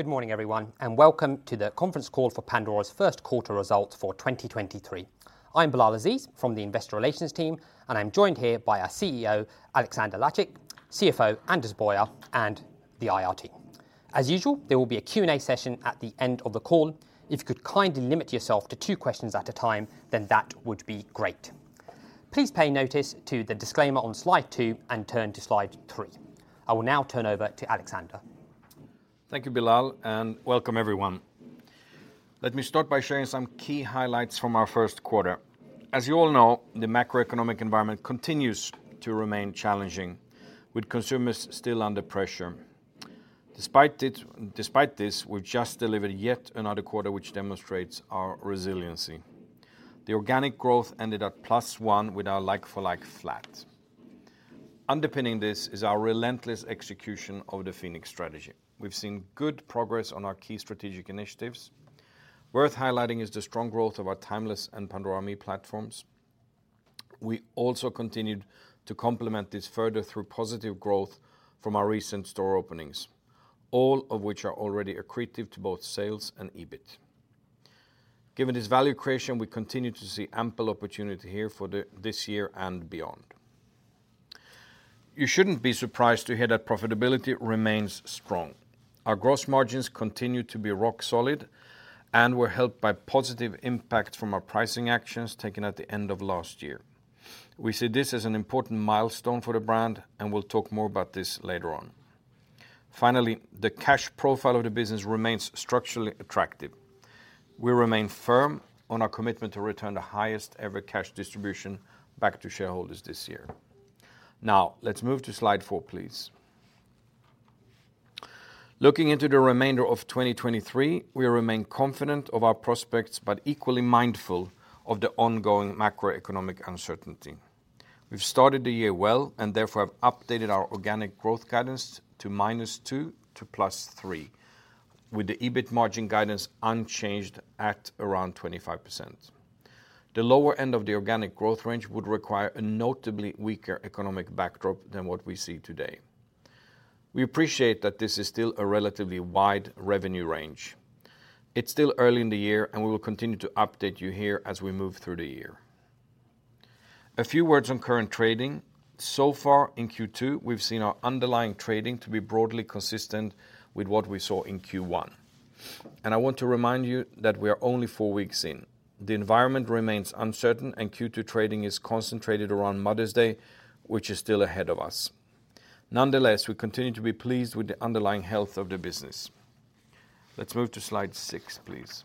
Good morning, everyone. Welcome to the conference call for Pandora's First Quarter Results for 2023. I'm Bilal Aziz from the investor relations team. I'm joined here by our CEO, Alexander Lacik, CFO, Anders Boyer, and the IR team. As usual, there will be a Q&A session at the end of the call. If you could kindly limit yourself to two questions at a time, then that would be great. Please pay notice to the disclaimer on slide two. Turn to slide three. I will now turn over to Alexander. Thank you, Bilal, and welcome everyone. Let me start by sharing some key highlights from our first quarter. As you all know, the macroeconomic environment continues to remain challenging with consumers still under pressure. Despite this, we've just delivered yet another quarter which demonstrates our resiliency. The organic growth ended at +1 with our like-for-like flat. Underpinning this is our relentless execution of the Phoenix strategy. We've seen good progress on our key strategic initiatives. Worth highlighting is the strong growth of our Timeless and Pandora ME platforms. We also continued to complement this further through positive growth from our recent store openings, all of which are already accretive to both sales and EBIT. Given this value creation, we continue to see ample opportunity here for this year and beyond. You shouldn't be surprised to hear that profitability remains strong. Our gross margins continue to be rock solid and were helped by positive impact from our pricing actions taken at the end of last year. We see this as an important milestone for the brand and we'll talk more about this later on. The cash profile of the business remains structurally attractive. We remain firm on our commitment to return the highest ever cash distribution back to shareholders this year. Let's move to slide four, please. Looking into the remainder of 2023, we remain confident of our prospects, equally mindful of the ongoing macroeconomic uncertainty. We've started the year well, therefore have updated our organic growth guidance to -2% to +3%, with the EBIT margin guidance unchanged at around 25%. The lower end of the organic growth range would require a notably weaker economic backdrop than what we see today. We appreciate that this is still a relatively wide revenue range. It's still early in the year, and we will continue to update you here as we move through the year. A few words on current trading. So far in Q2, we've seen our underlying trading to be broadly consistent with what we saw in Q1. I want to remind you that we are only four weeks in. The environment remains uncertain and Q2 trading is concentrated around Mother's Day, which is still ahead of us. Nonetheless, we continue to be pleased with the underlying health of the business. Let's move to slide six, please.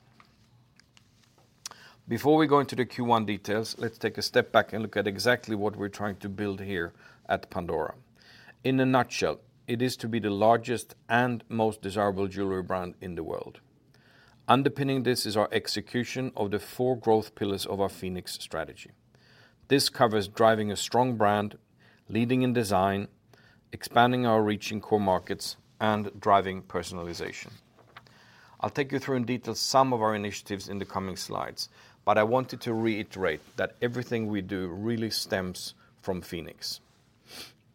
Before we go into the Q1 details, let's take a step back and look at exactly what we're trying to build here at Pandora. In a nutshell, it is to be the largest and most desirable jewelry brand in the world. Underpinning this is our execution of the four growth pillars of our Phoenix strategy. This covers driving a strong brand, leading in design, expanding our reach in core markets, and driving personalization. I'll take you through in detail some of our initiatives in the coming slides. I wanted to reiterate that everything we do really stems from Phoenix.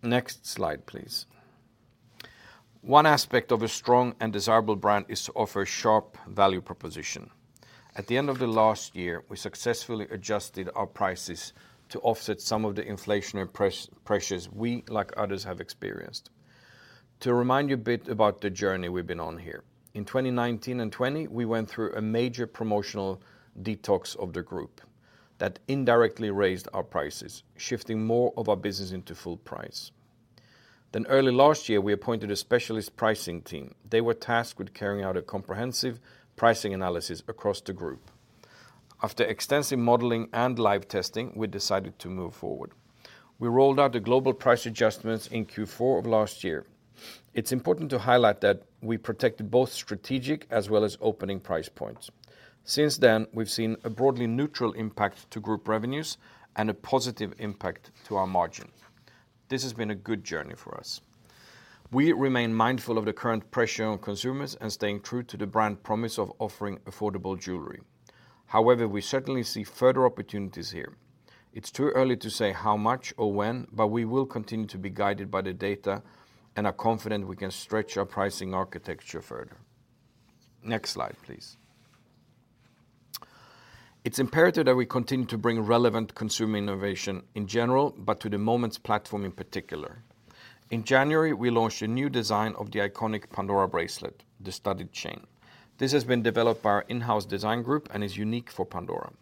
Next slide, please. One aspect of a strong and desirable brand is to offer a sharp value proposition. At the end of the last year, we successfully adjusted our prices to offset some of the inflationary pressures we, like others, have experienced. To remind you a bit about the journey we've been on here, in 2019 and 20, we went through a major promotional detox of the group that indirectly raised our prices, shifting more of our business into full price. Early last year, we appointed a specialist pricing team. They were tasked with carrying out a comprehensive pricing analysis across the group. After extensive modeling and live testing, we decided to move forward. We rolled out the global price adjustments in Q4 of last year. It's important to highlight that we protected both strategic as well as opening price points. Since then, we've seen a broadly neutral impact to group revenues and a positive impact to our margin. This has been a good journey for us. We remain mindful of the current pressure on consumers and staying true to the brand promise of offering affordable jewelry. We certainly see further opportunities here. It's too early to say how much or when, but we will continue to be guided by the data and are confident we can stretch our pricing architecture further. Next slide, please. It's imperative that we continue to bring relevant consumer innovation in general, but to the Moments platform in particular. In January, we launched a new design of the iconic Pandora bracelet, the Studded Chain. This has been developed by our in-house design group and is unique for Pandora.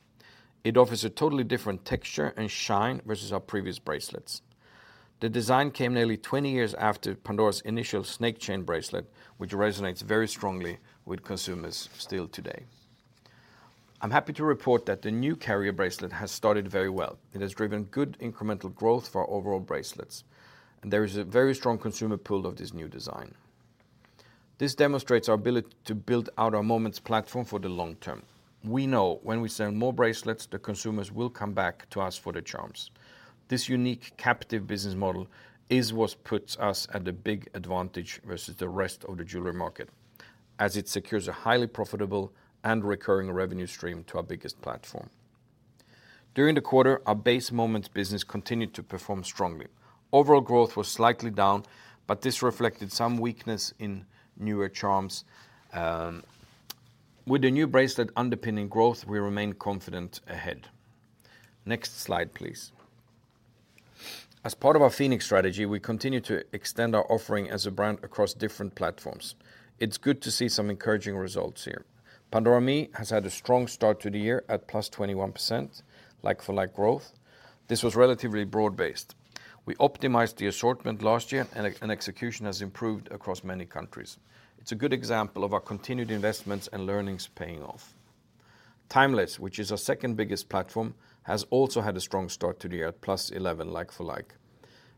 It offers a totally different texture and shine versus our previous bracelets. The design came nearly 20 years after Pandora's initial snake chain bracelet, which resonates very strongly with consumers still today. I'm happy to report that the new carrier bracelet has started very well. It has driven good incremental growth for our overall bracelets, and there is a very strong consumer pull of this new design. This demonstrates our ability to build out our Moments platform for the long term. We know when we sell more bracelets, the consumers will come back to us for the charms. This unique captive business model is what puts us at a big advantage versus the rest of the jewelry market, as it secures a highly profitable and recurring revenue stream to our biggest platform. During the quarter, our base Pandora Moments business continued to perform strongly. Overall growth was slightly down, but this reflected some weakness in newer charms. With the new bracelet underpinning growth, we remain confident ahead. Next slide, please. As part of our Phoenix strategy, we continue to extend our offering as a brand across different platforms. It's good to see some encouraging results here. Pandora ME has had a strong start to the year at +21% like-for-like growth. This was relatively broad-based. We optimized the assortment last year and execution has improved across many countries. It's a good example of our continued investments and learnings paying off. Timeless, which is our second-biggest platform, has also had a strong start to the year at plus 11 like-for-like.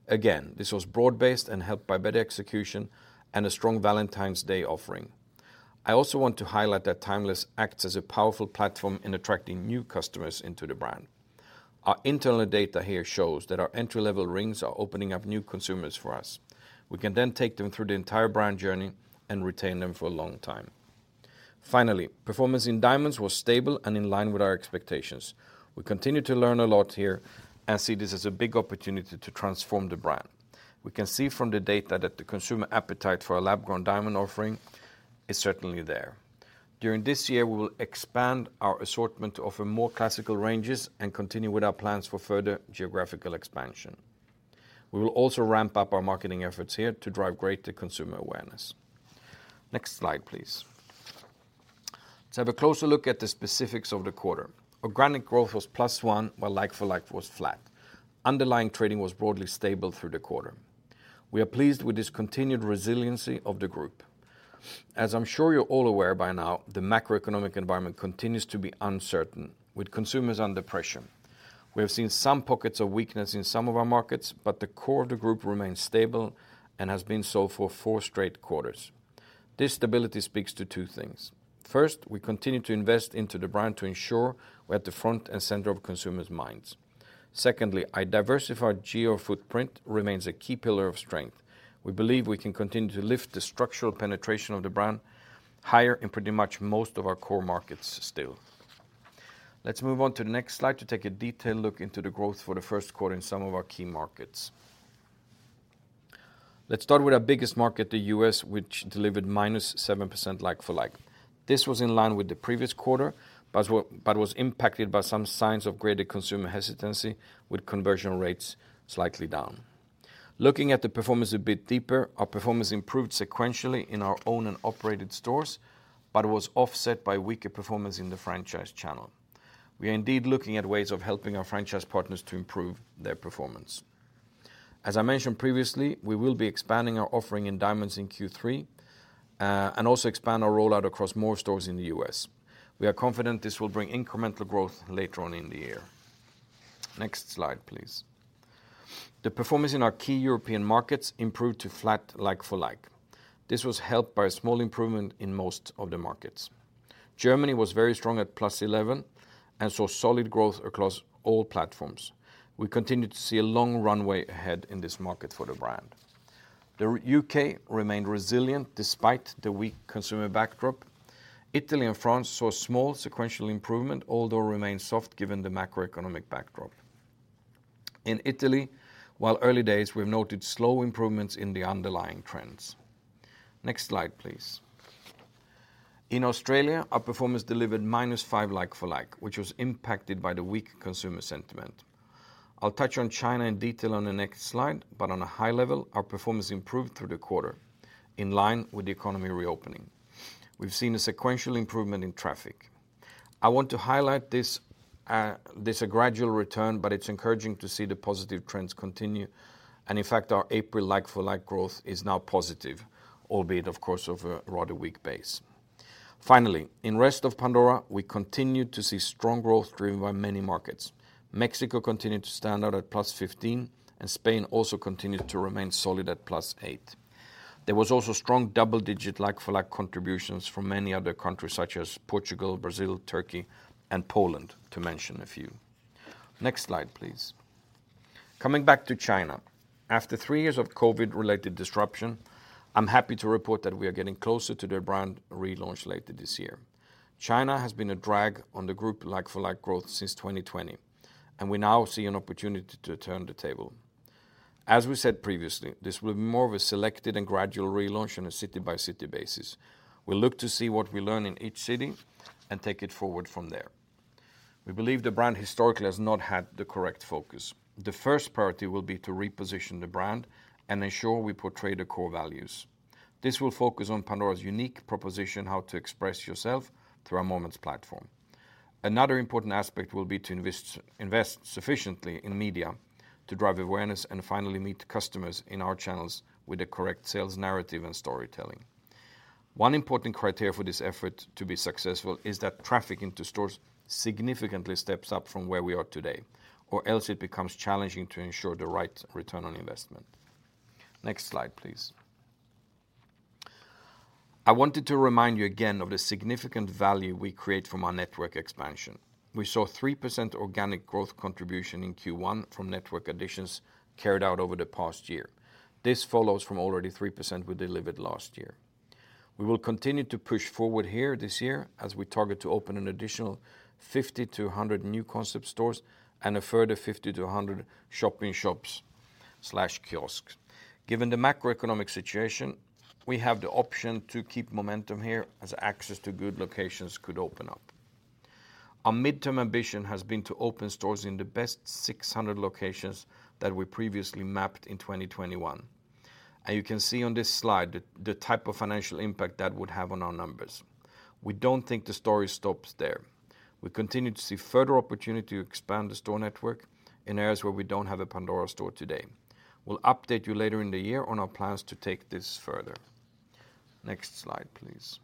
This was broad-based and helped by better execution and a strong Valentine's Day offering. I also want to highlight that Timeless acts as a powerful platform in attracting new customers into the brand. Our internal data here shows that our entry-level rings are opening up new consumers for us. We can take them through the entire brand journey and retain them for a long time. Finally, performance in diamonds was stable and in line with our expectations. We continue to learn a lot here and see this as a big opportunity to transform the brand. We can see from the data that the consumer appetite for a lab-grown diamond offering is certainly there. During this year, we will expand our assortment to offer more classical ranges and continue with our plans for further geographical expansion. We will also ramp up our marketing efforts here to drive greater consumer awareness. Next slide, please. Let's have a closer look at the specifics of the quarter. Organic growth was plus one, while like-for-like was flat. Underlying trading was broadly stable through the quarter. We are pleased with this continued resiliency of the group. As I'm sure you're all aware by now, the macroeconomic environment continues to be uncertain, with consumers under pressure. We have seen some pockets of weakness in some of our markets, but the core of the group remains stable and has been so for four straight quarters. This stability speaks to two things. First, we continue to invest into the brand to ensure we're at the front and center of consumers' minds. Secondly, a diversified geo-footprint remains a key pillar of strength. We believe we can continue to lift the structural penetration of the brand higher in pretty much most of our core markets still. Let's move on to the next slide to take a detailed look into the growth for the first quarter in some of our key markets. Let's start with our biggest market, the U.S., which delivered minus 7% like-for-like. This was in line with the previous quarter, but was impacted by some signs of greater consumer hesitancy with conversion rates slightly down. Looking at the performance a bit deeper, our performance improved sequentially in our owned and operated stores, but was offset by weaker performance in the franchise channel. We are indeed looking at ways of helping our franchise partners to improve their performance. As I mentioned previously, we will be expanding our offering in diamonds in Q3, also expand our rollout across more stores in the U.S. We are confident this will bring incremental growth later on in the year. Next slide, please. The performance in our key European markets improved to flat like-for-like. This was helped by a small improvement in most of the markets. Germany was very strong at +11% and saw solid growth across all platforms. We continue to see a long runway ahead in this market for the brand. The U.K. remained resilient despite the weak consumer backdrop. Italy and France saw small sequential improvement, although remain soft given the macroeconomic backdrop. In Italy, while early days, we've noted slow improvements in the underlying trends. Next slide, please. In Australia, our performance delivered -5% like-for-like, which was impacted by the weak consumer sentiment. I'll touch on China in detail on the next slide, but on a high level, our performance improved through the quarter in line with the economy reopening. We've seen a sequential improvement in traffic. I want to highlight this a gradual return, but it's encouraging to see the positive trends continue. In fact, our April like-for-like growth is now positive, albeit of course, over a rather weak base. In rest of Pandora, we continue to see strong growth driven by many markets. Mexico continued to stand out at +15%, and Spain also continued to remain solid at +8%. There was also strong double-digit like-for-like contributions from many other countries such as Portugal, Brazil, Turkey, and Poland, to mention a few. Next slide, please. Coming back to China. After three years of COVID-related disruption, I'm happy to report that we are getting closer to the brand relaunch later this year. China has been a drag on the group like-for-like growth since 2020, and we now see an opportunity to turn the table. As we said previously, this will be more of a selected and gradual relaunch on a city-by-city basis. We look to see what we learn in each city and take it forward from there. We believe the brand historically has not had the correct focus. The first priority will be to reposition the brand and ensure we portray the core values. This will focus on Pandora's unique proposition, how to express yourself through our Moments platform. Another important aspect will be to invest sufficiently in media to drive awareness and finally meet customers in our channels with the correct sales narrative and storytelling. One important criteria for this effort to be successful is that traffic into stores significantly steps up from where we are today, or else it becomes challenging to ensure the right ROI. Next slide, please. I wanted to remind you again of the significant value we create from our network expansion. We saw 3% organic growth contribution in Q1 from network additions carried out over the past year. This follows from already 3% we delivered last year. We will continue to push forward here this year as we target to open an additional 50-100 new concept stores and a further 50-100 shopping shops/kiosks. Given the macroeconomic situation, we have the option to keep momentum here as access to good locations could open up. Our midterm ambition has been to open stores in the best 600 locations that we previously mapped in 2021. You can see on this slide the type of financial impact that would have on our numbers. We don't think the story stops there. We continue to see further opportunity to expand the store network in areas where we don't have a Pandora store today. We'll update you later in the year on our plans to take this further. Next slide, please.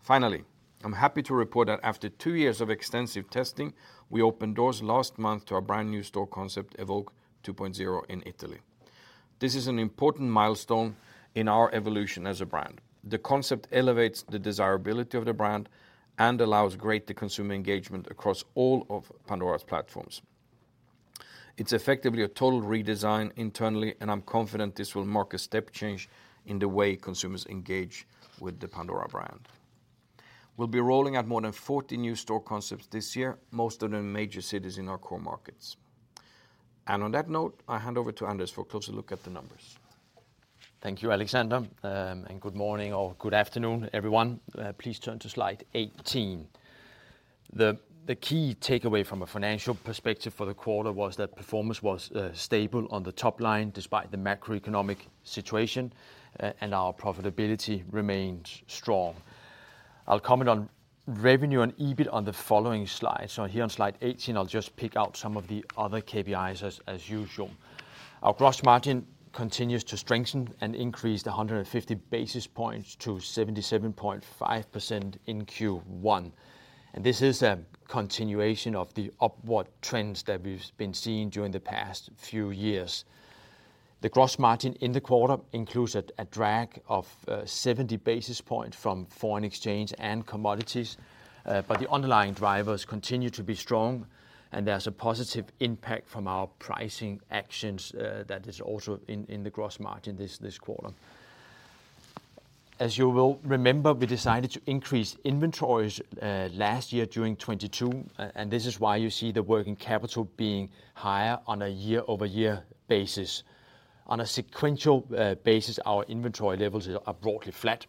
Finally, I'm happy to report that after two years of extensive testing, we opened doors last month to our brand-new store concept, Evoke 2.0, in Italy. This is an important milestone in our evolution as a brand. The concept elevates the desirability of the brand and allows greater consumer engagement across all of Pandora's platforms. It's effectively a total redesign internally, and I'm confident this will mark a step change in the way consumers engage with the Pandora brand. We'll be rolling out more than 40 new store concepts this year, most of them major cities in our core markets. On that note, I hand over to Anders for a closer look at the numbers. Thank you, Alexander. Good morning or good afternoon, everyone. Please turn to slide 18. The key takeaway from a financial perspective for the quarter was that performance was stable on the top line despite the macroeconomic situation, and our profitability remains strong. I'll comment on revenue and EBIT on the following slide. Here on slide 18 I'll just pick out some of the other KPIs as usual. Our gross margin continues to strengthen and increased 150 basis points to 77.5% in Q1. This is a continuation of the upward trends that we've been seeing during the past few years. The gross margin in the quarter includes a drag of 70 basis points from foreign exchange and commodities, but the underlying drivers continue to be strong, and there's a positive impact from our pricing actions that is also in the gross margin this quarter. As you will remember, we decided to increase inventories last year during 2022, and this is why you see the working capital being higher on a year-over-year basis. On a sequential basis, our inventory levels are broadly flat.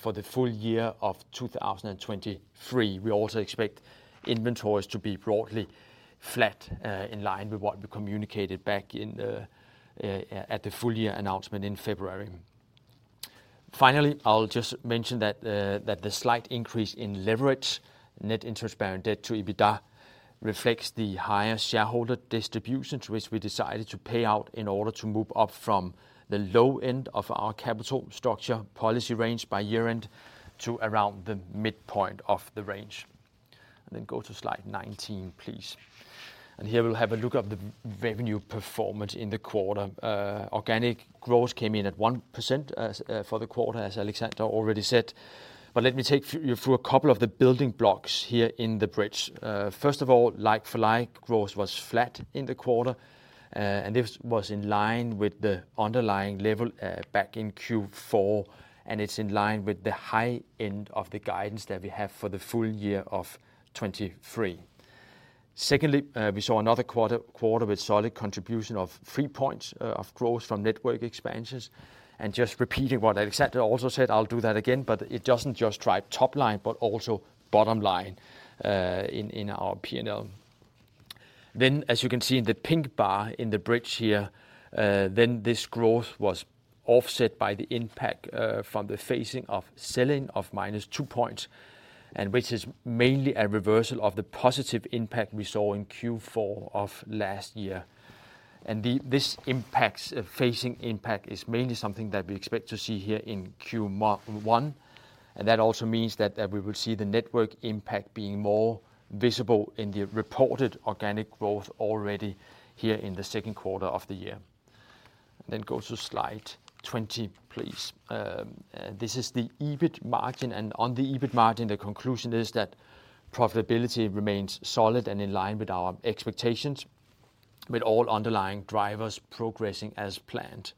For the full year of 2023, we also expect inventories to be broadly flat, in line with what we communicated back in the at the full year announcement in February. Finally, I'll just mention that the slight increase in leverage, net interest bearing debt to EBITDA, reflects the higher shareholder distributions which we decided to pay out in order to move up from the low end of our capital structure policy range by year-end to around the midpoint of the range. Go to slide 19, please. Here we'll have a look at the revenue performance in the quarter. Organic growth came in at 1% as, for the quarter, as Alexander already said, but let me take you through a couple of the building blocks here in the bridge. First of all, like-for-like growth was flat in the quarter, this was in line with the underlying level back in Q4, and it's in line with the high end of the guidance that we have for the full year of 2023. Secondly, we saw another quarter with solid contribution of three points of growth from network expansions. Just repeating what Alexander also said, I'll do that again, but it doesn't just drive top line, but also bottom line in our P&L. As you can see in the pink bar in the bridge here, this growth was offset by the impact from the phasing of selling of -2 points, which is mainly a reversal of the positive impact we saw in Q4 of last year. This impact, phasing impact, is mainly something that we expect to see here in Q1, and that also means that we will see the network impact being more visible in the reported organic growth already here in the second quarter of the year. Then go to slide 20, please. This is the EBIT margin, and on the EBIT margin, the conclusion is that profitability remains solid and in line with our expectations, with all underlying drivers progressing as planned.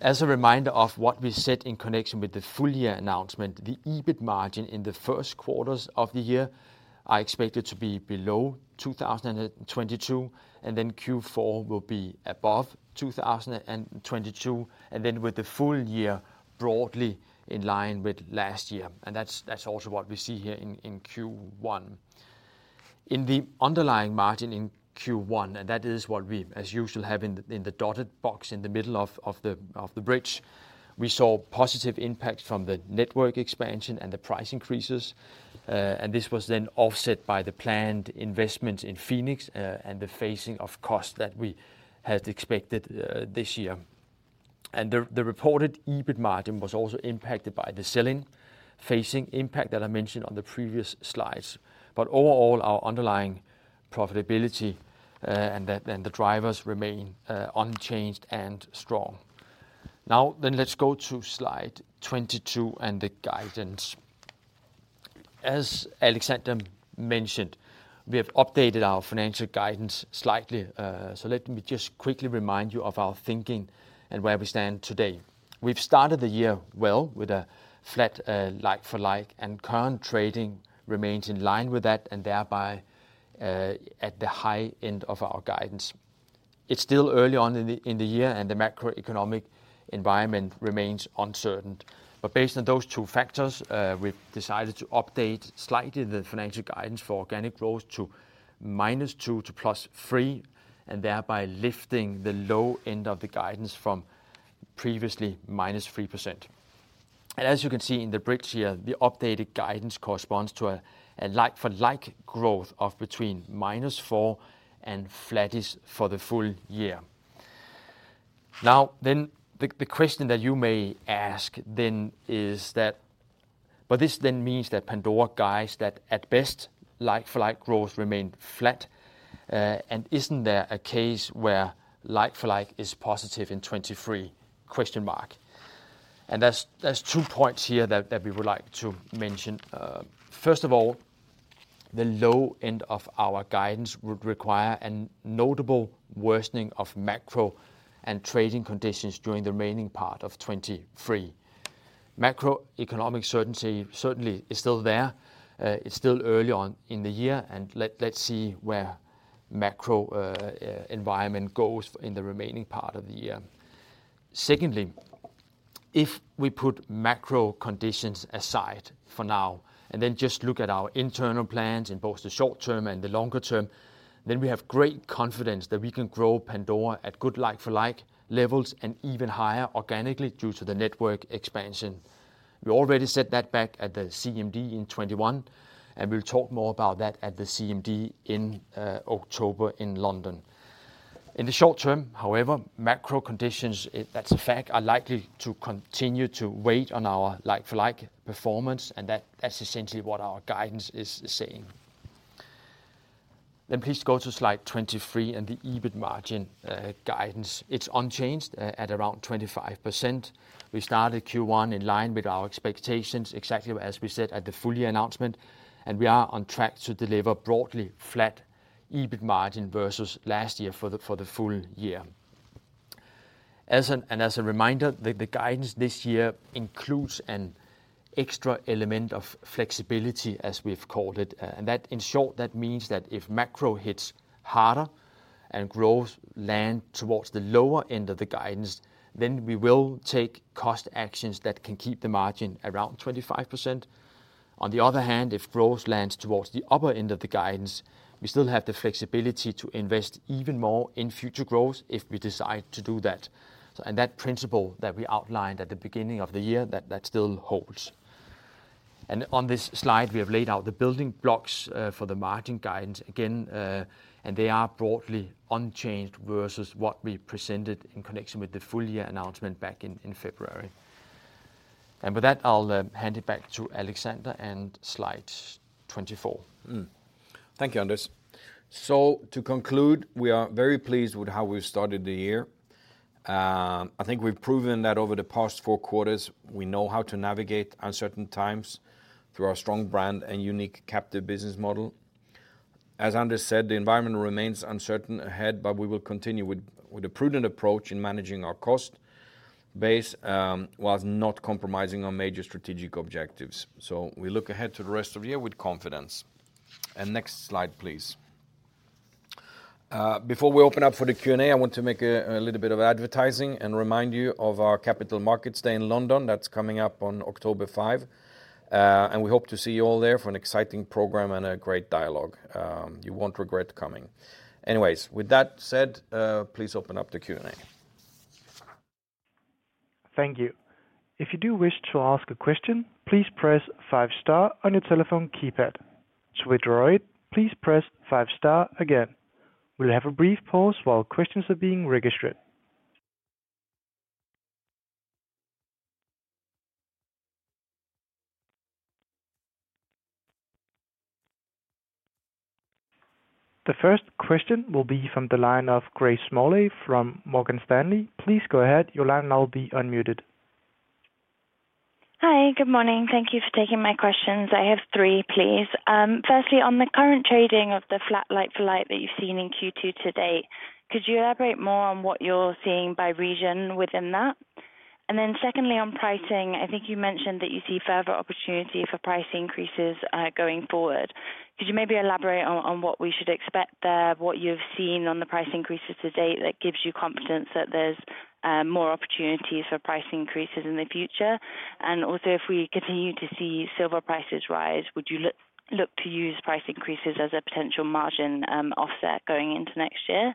As a reminder of what we said in connection with the full year announcement, the EBIT margin in the first quarters of the year are expected to be below 2022, and then Q4 will be above 2022, and then with the full year broadly in line with last year. That's, that's also what we see here in Q1. In the underlying margin in Q1, that is what we, as usual, have in the, in the dotted box in the middle of the, of the bridge. We saw positive impact from the network expansion and the price increases, and this was then offset by the planned investments in Phoenix, and the phasing of costs that we had expected this year. The, the reported EBIT margin was also impacted by the selling phasing impact that I mentioned on the previous slides. Overall, our underlying profitability, and the, and the drivers remain unchanged and strong. Now let's go to slide 22 and the guidance. As Alexander mentioned, we have updated our financial guidance slightly. Let me just quickly remind you of our thinking and where we stand today. We've started the year well with a flat like-for-like, and current trading remains in line with that, and thereby, at the high end of our guidance. It's still early on in the year, and the macroeconomic environment remains uncertain. Based on those two factors, we've decided to update slightly the financial guidance for organic growth to -2% to +3%, and thereby lifting the low end of the guidance from previously -3%. As you can see in the bricks here, the updated guidance corresponds to a like-for-like growth of between -4% and flattish for the full year. The question that you may ask then is that, but this then means that Pandora guides that at best like-for-like growth remained flat, and isn't there a case where like-for-like is positive in 2023, question mark? There's, there's two points here that we would like to mention. First of all, the low end of our guidance would require a notable worsening of macro and trading conditions during the remaining part of 2023. Macroeconomic certainty certainly is still there. It's still early on in the year, and let's see where macro environment goes in the remaining part of the year. Secondly, if we put macro conditions aside for now and then just look at our internal plans in both the short term and the longer term, then we have great confidence that we can grow Pandora at good like-for-like levels and even higher organically due to the network expansion. We already said that back at the CMD in 2021, and we'll talk more about that at the CMD in October in London. In the short term, however, macro conditions, that's a fact, are likely to continue to wait on our like-for-like performance, and that's essentially what our guidance is saying. Please go to slide 23 and the EBIT margin guidance. It's unchanged at around 25%. We started Q1 in line with our expectations, exactly as we said at the full year announcement, and we are on track to deliver broadly flat EBIT margin versus last year for the full year. As a reminder, the guidance this year includes an extra element of flexibility, as we've called it, and that in short, that means that if macro hits harder and growth land towards the lower end of the guidance, then we will take cost actions that can keep the margin around 25%. On the other hand, if growth lands towards the upper end of the guidance, we still have the flexibility to invest even more in future growth if we decide to do that. That principle that we outlined at the beginning of the year still holds. On this slide, we have laid out the building blocks for the margin guidance again, and they are broadly unchanged versus what we presented in connection with the full year announcement back in February. With that, I'll hand it back to Alexander and slide 24. Thank you, Anders. To conclude, we are very pleased with how we've started the year. I think we've proven that over the past four quarters, we know how to navigate uncertain times through our strong brand and unique captive business model. As Anders said, the environment remains uncertain ahead, we will continue with a prudent approach in managing our cost base whilst not compromising on major strategic objectives. We look ahead to the rest of the year with confidence. Next slide, please. Before we open up for the Q&A, I want to make a little bit of advertising and remind you of our capital markets day in London that's coming up on October five. We hope to see you all there for an exciting program and a great dialogue. You won't regret coming. Anyways, with that said, please open up the Q&A. Thank you. If you do wish to ask a question, please press five star on your telephone keypad. To withdraw it, please press five star again. We'll have a brief pause while questions are being registered. The first question will be from the line of Grace Smalley from Morgan Stanley. Please go ahead. Your line will now be unmuted. Hi. Good morning. Thank you for taking my questions. I have three, please. Firstly, on the current trading of the flat like-for-like that you've seen in Q2 to date, could you elaborate more on what you're seeing by region within that? Secondly, on pricing, I think you mentioned that you see further opportunity for price increases going forward. Could you maybe elaborate on what we should expect there, what you've seen on the price increases to date that gives you confidence that there's more opportunities for price increases in the future? Also, if we continue to see silver prices rise, would you look to use price increases as a potential margin offset going into next year?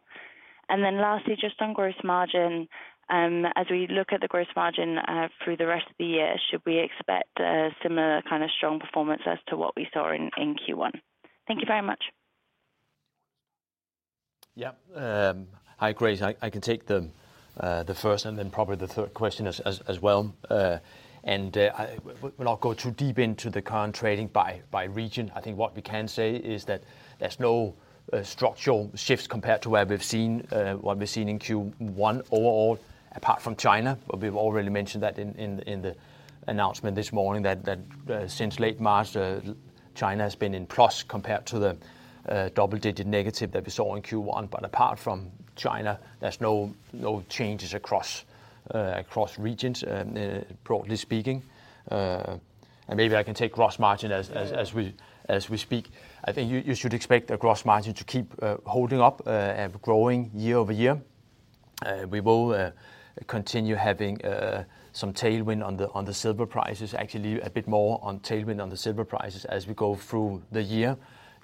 Lastly, just on gross margin, as we look at the gross margin, through the rest of the year, should we expect a similar kind of strong performance as to what we saw in Q1? Thank you very much. Yeah. Hi, Grace. I can take the first and then probably the third question as well. We'll not go too deep into the current trading by region. I think what we can say is that there's no structural shifts compared to where we've seen what we've seen in Q1 overall, apart from China, but we've already mentioned that in the announcement this morning that since late March, China has been in plus compared to the double-digit negative that we saw in Q1. Apart from China, there's no changes across regions, broadly speaking. Maybe I can take gross margin as we speak. I think you should expect the gross margin to keep holding up and growing year-over-year. We will continue having some tailwind on the silver prices. Actually a bit more on tailwind on the silver prices as we go through the year,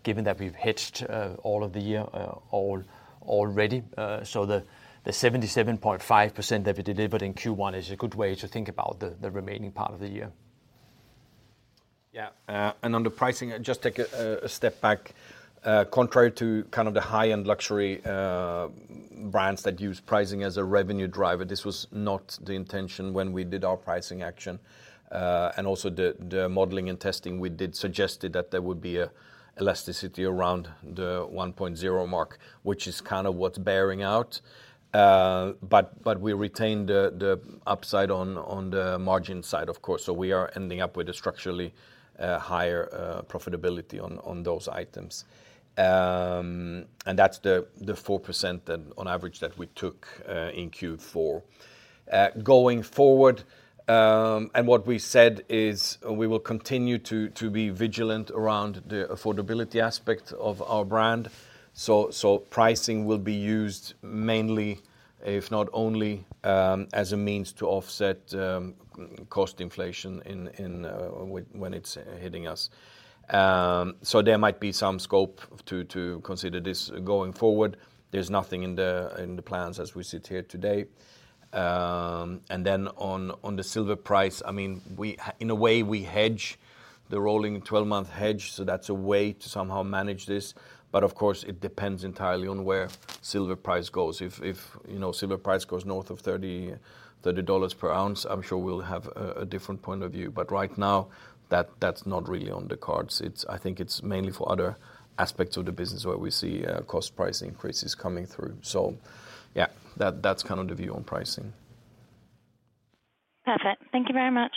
given that we've hedged all of the year already. The 77.5% that we delivered in Q1 is a good way to think about the remaining part of the year. On the pricing, just take a step back. Contrary to kind of the high-end luxury brands that use pricing as a revenue driver, this was not the intention when we did our pricing action. Also the modeling and testing we did suggested that there would be a elasticity around the 1.0 mark, which is kind of what's bearing out. We retained the upside on the margin side, of course. We are ending up with a structurally higher profitability on those items. That's the 4% that on average that we took in Q4. Going forward, what we said is we will continue to be vigilant around the affordability aspect of our brand. Pricing will be used mainly, if not only, as a means to offset cost inflation in when it's hitting us. There might be some scope to consider this going forward. There's nothing in the plans as we sit here today. Then on the silver price, I mean, In a way, we hedge the rolling 12-month hedge, so that's a way to somehow manage this. Of course it depends entirely on where silver price goes. If, you know, silver price goes north of 30, $30 per ounce, I'm sure we'll have a different point of view. Right now, that's not really on the cards. I think it's mainly for other aspects of the business where we see cost price increases coming through. Yeah. That's kind of the view on pricing. Perfect. Thank you very much.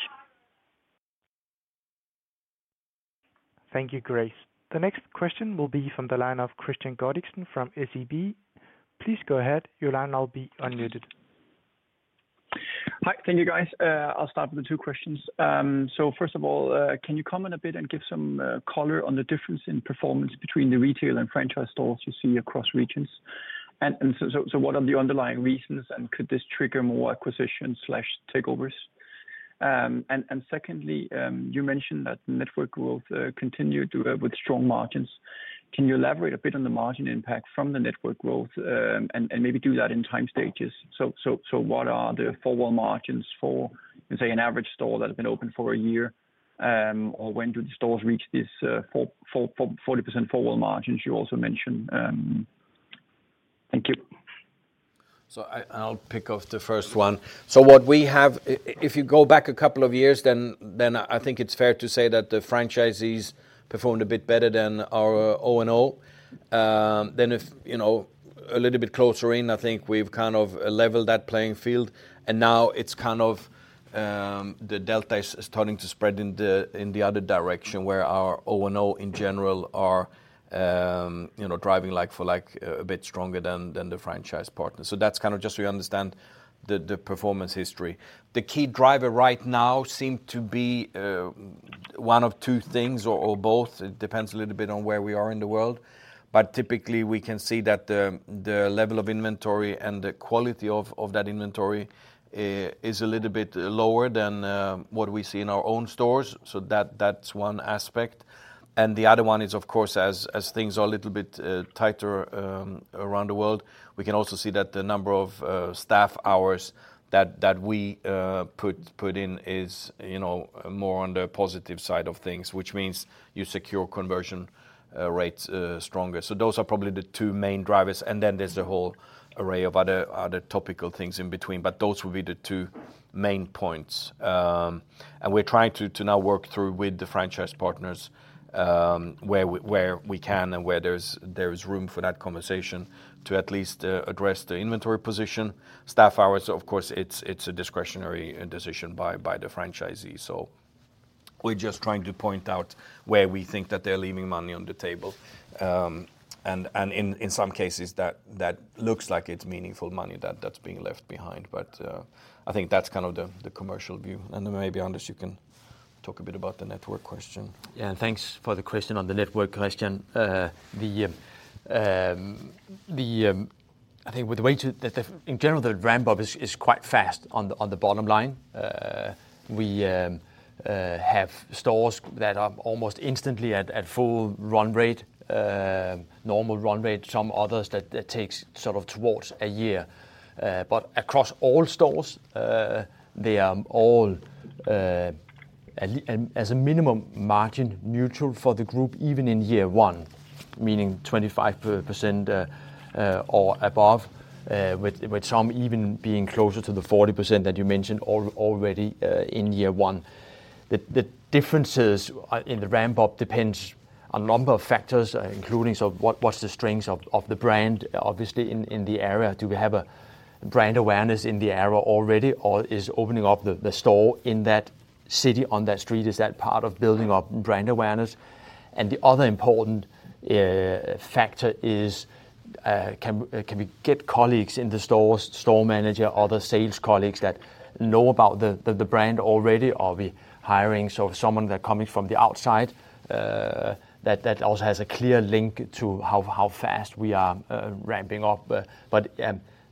Thank you, Grace. The next question will be from the line of Kristian Godiksen from SEB. Please go ahead. Your line will now be unmuted. Hi. Thank you, guys. I'll start with the two questions. First of all, can you comment a bit and give some color on the difference in performance between the retail and franchise stores you see across regions? What are the underlying reasons, and could this trigger more acquisitions/takeovers? Secondly, you mentioned that network growth continued with strong margins. Can you elaborate a bit on the margin impact from the network growth, maybe do that in time stages? What are the full margin for, let's say, an average store that has been open for a year? Or when do the stores reach this 40% full margins you also mentioned? Thank you. I'll pick off the first one. What we have, if you go back a couple of years, then I think it's fair to say that the franchisees performed a bit better than our ONO. If, you know, a little bit closer in, I think we've kind of leveled that playing field, and now it's kind of, the delta is starting to spread in the other direction, where our ONO in general are, you know, driving like for like a bit stronger than the franchise partners. That's kind of just so you understand the performance history. The key driver right now seem to be one of two things or both. It depends a little bit on where we are in the world. Typically, we can see that the level of inventory and the quality of that inventory is a little bit lower than what we see in our own stores. That's one aspect. The other one is, of course, as things are a little bit tighter around the world, we can also see that the number of staff hours that we put in is, you know, more on the positive side of things, which means you secure conversion rates stronger. Those are probably the two main drivers. Then there's a whole array of other topical things in between, but those will be the two main points. And we're trying to now work through with the franchise partners, where we can and where there's room for that conversation to at least address the inventory position. Staff hours, of course, it's a discretionary decision by the franchisee. We're just trying to point out where we think that they're leaving money on the table. And in some cases that looks like it's meaningful money that's being left behind. I think that's kind of the commercial view. Then maybe, Anders, you can talk a bit about the network question. Yeah. Thanks for the question on the network question. The in general, the ramp up is quite fast on the bottom line. We have stores that are almost instantly at full run rate, normal run rate. Some others that takes sort of towards a year. Across all stores, they are all as a minimum margin neutral for the group, even in year one, meaning 25% or above, with some even being closer to the 40% that you mentioned already in year one. The differences in the ramp up depends a number of factors, including so what's the strengths of the brand obviously in the area? Do we have a brand awareness in the area already or is opening up the store in that city, on that street, is that part of building up brand awareness? The other important factor is, can we get colleagues in the stores, store manager or the sales colleagues that know about the brand already or are we hiring so someone that coming from the outside, that also has a clear link to how fast we are ramping up.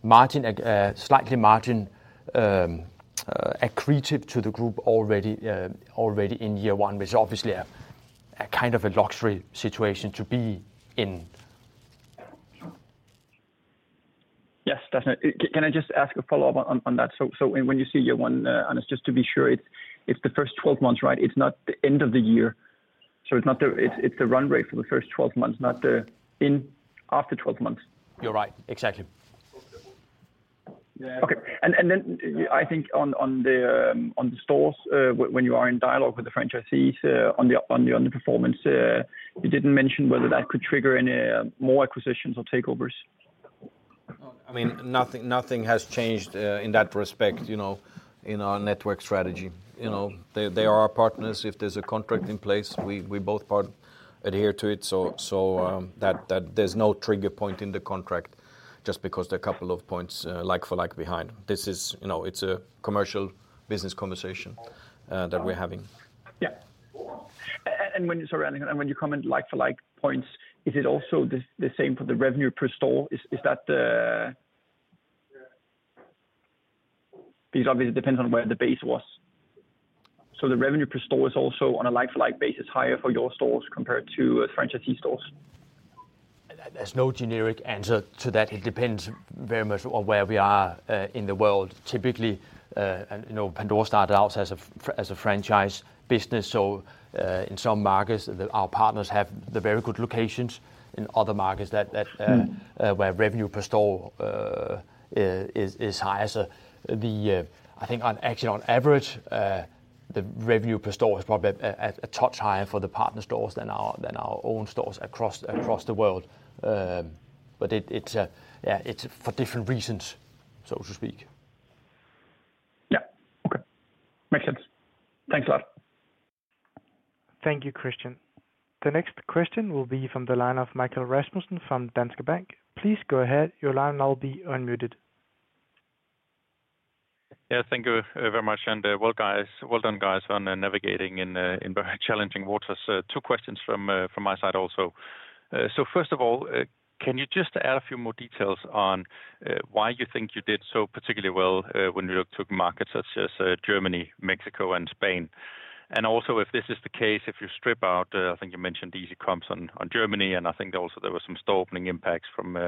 Margin, slightly margin accretive to the group already in year one, which obviously a kind of a luxury situation to be in. Yes, definitely. Can I just ask a follow-up on that? When you say year one, and it's just to be sure it's the first 12 months, right? It's not the end of the year. It's not the Yeah. It's a run rate for the first 12 months, not after 12 months. You're right. Exactly. Okay. I think on the stores, when you are in dialogue with the franchisees on the performance, you didn't mention whether that could trigger any more acquisitions or takeovers. I mean, nothing has changed in that respect, you know, in our network strategy. You know, they are our partners. If there's a contract in place, we both part adhere to it. That there's no trigger point in the contract just because there are a couple of points like-for-like behind. This is, you know, it's a commercial business conversation that we're having. Yeah. Sorry. When you comment like-for-like points, is it also the same for the revenue per store? Is that the? Obviously it depends on where the base was. The revenue per store is also on a like-for-like basis, higher for your stores compared to franchisee stores? There's no generic answer to that. It depends very much on where we are, in the world. Typically, and, you know, Pandora started out as a franchise business, so, in some markets our partners have the very good locations. In other markets that where revenue per store is higher. The I think on actually on average, the revenue per store is probably a touch higher for the partner stores than our own stores across the world. But it's yeah, it's for different reasons, so to speak. Yeah. Okay. Makes sense. Thanks a lot. Thank you, Kristian. The next question will be from the line of Michael Vitfell-Rasmussen from Danske Bank. Please go ahead. Your line will now be unmuted. Yeah. Thank you very much. Well guys, well done, guys, on navigating in very challenging waters. Two questions from my side also. First of all, can you just add a few more details on why you think you did so particularly well when you look to markets such as Germany, Mexico, and Spain? Also if this is the case, if you strip out, I think you mentioned easy comps on Germany, and I think also there were some store opening impacts from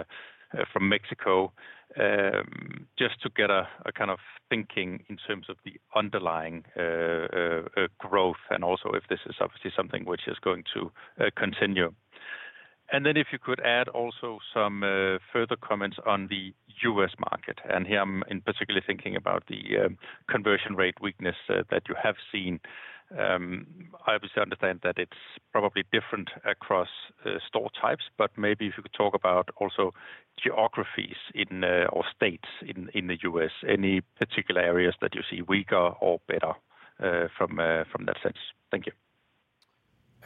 Mexico, just to get a kind of thinking in terms of the underlying growth and also if this is obviously something which is going to continue? If you could add also some further comments on the U.S. market, and here I'm in particularly thinking about the conversion rate weakness that you have seen. I obviously understand that it's probably different across store types, but maybe if you could talk about also geographies or states in the U.S., any particular areas that you see weaker or better from that sense. Thank you.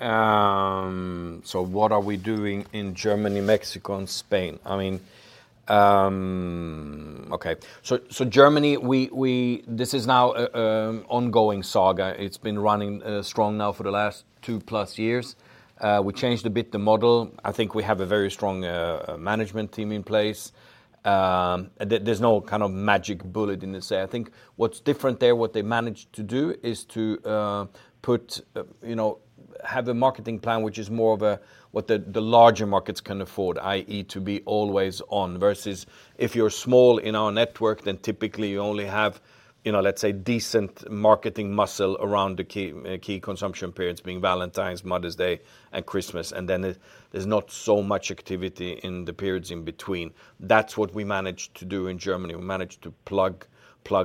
What are we doing in Germany, Mexico, and Spain? I mean, okay. Germany, we, this is now a ongoing saga. It's been running strong now for the last two plus years. We changed a bit the model. I think we have a very strong management team in place. There's no kind of magic bullet in this. I think what's different there, what they managed to do is to put, you know, have a marketing plan which is more of a what the larger markets can afford, i.e. to be always on versus if you're small in our network, then typically you only have, you know, let's say decent marketing muscle around the key consumption periods being Valentine's, Mother's Day, and Christmas, and then there's not so much activity in the periods in between. That's what we managed to do in Germany. We managed to plug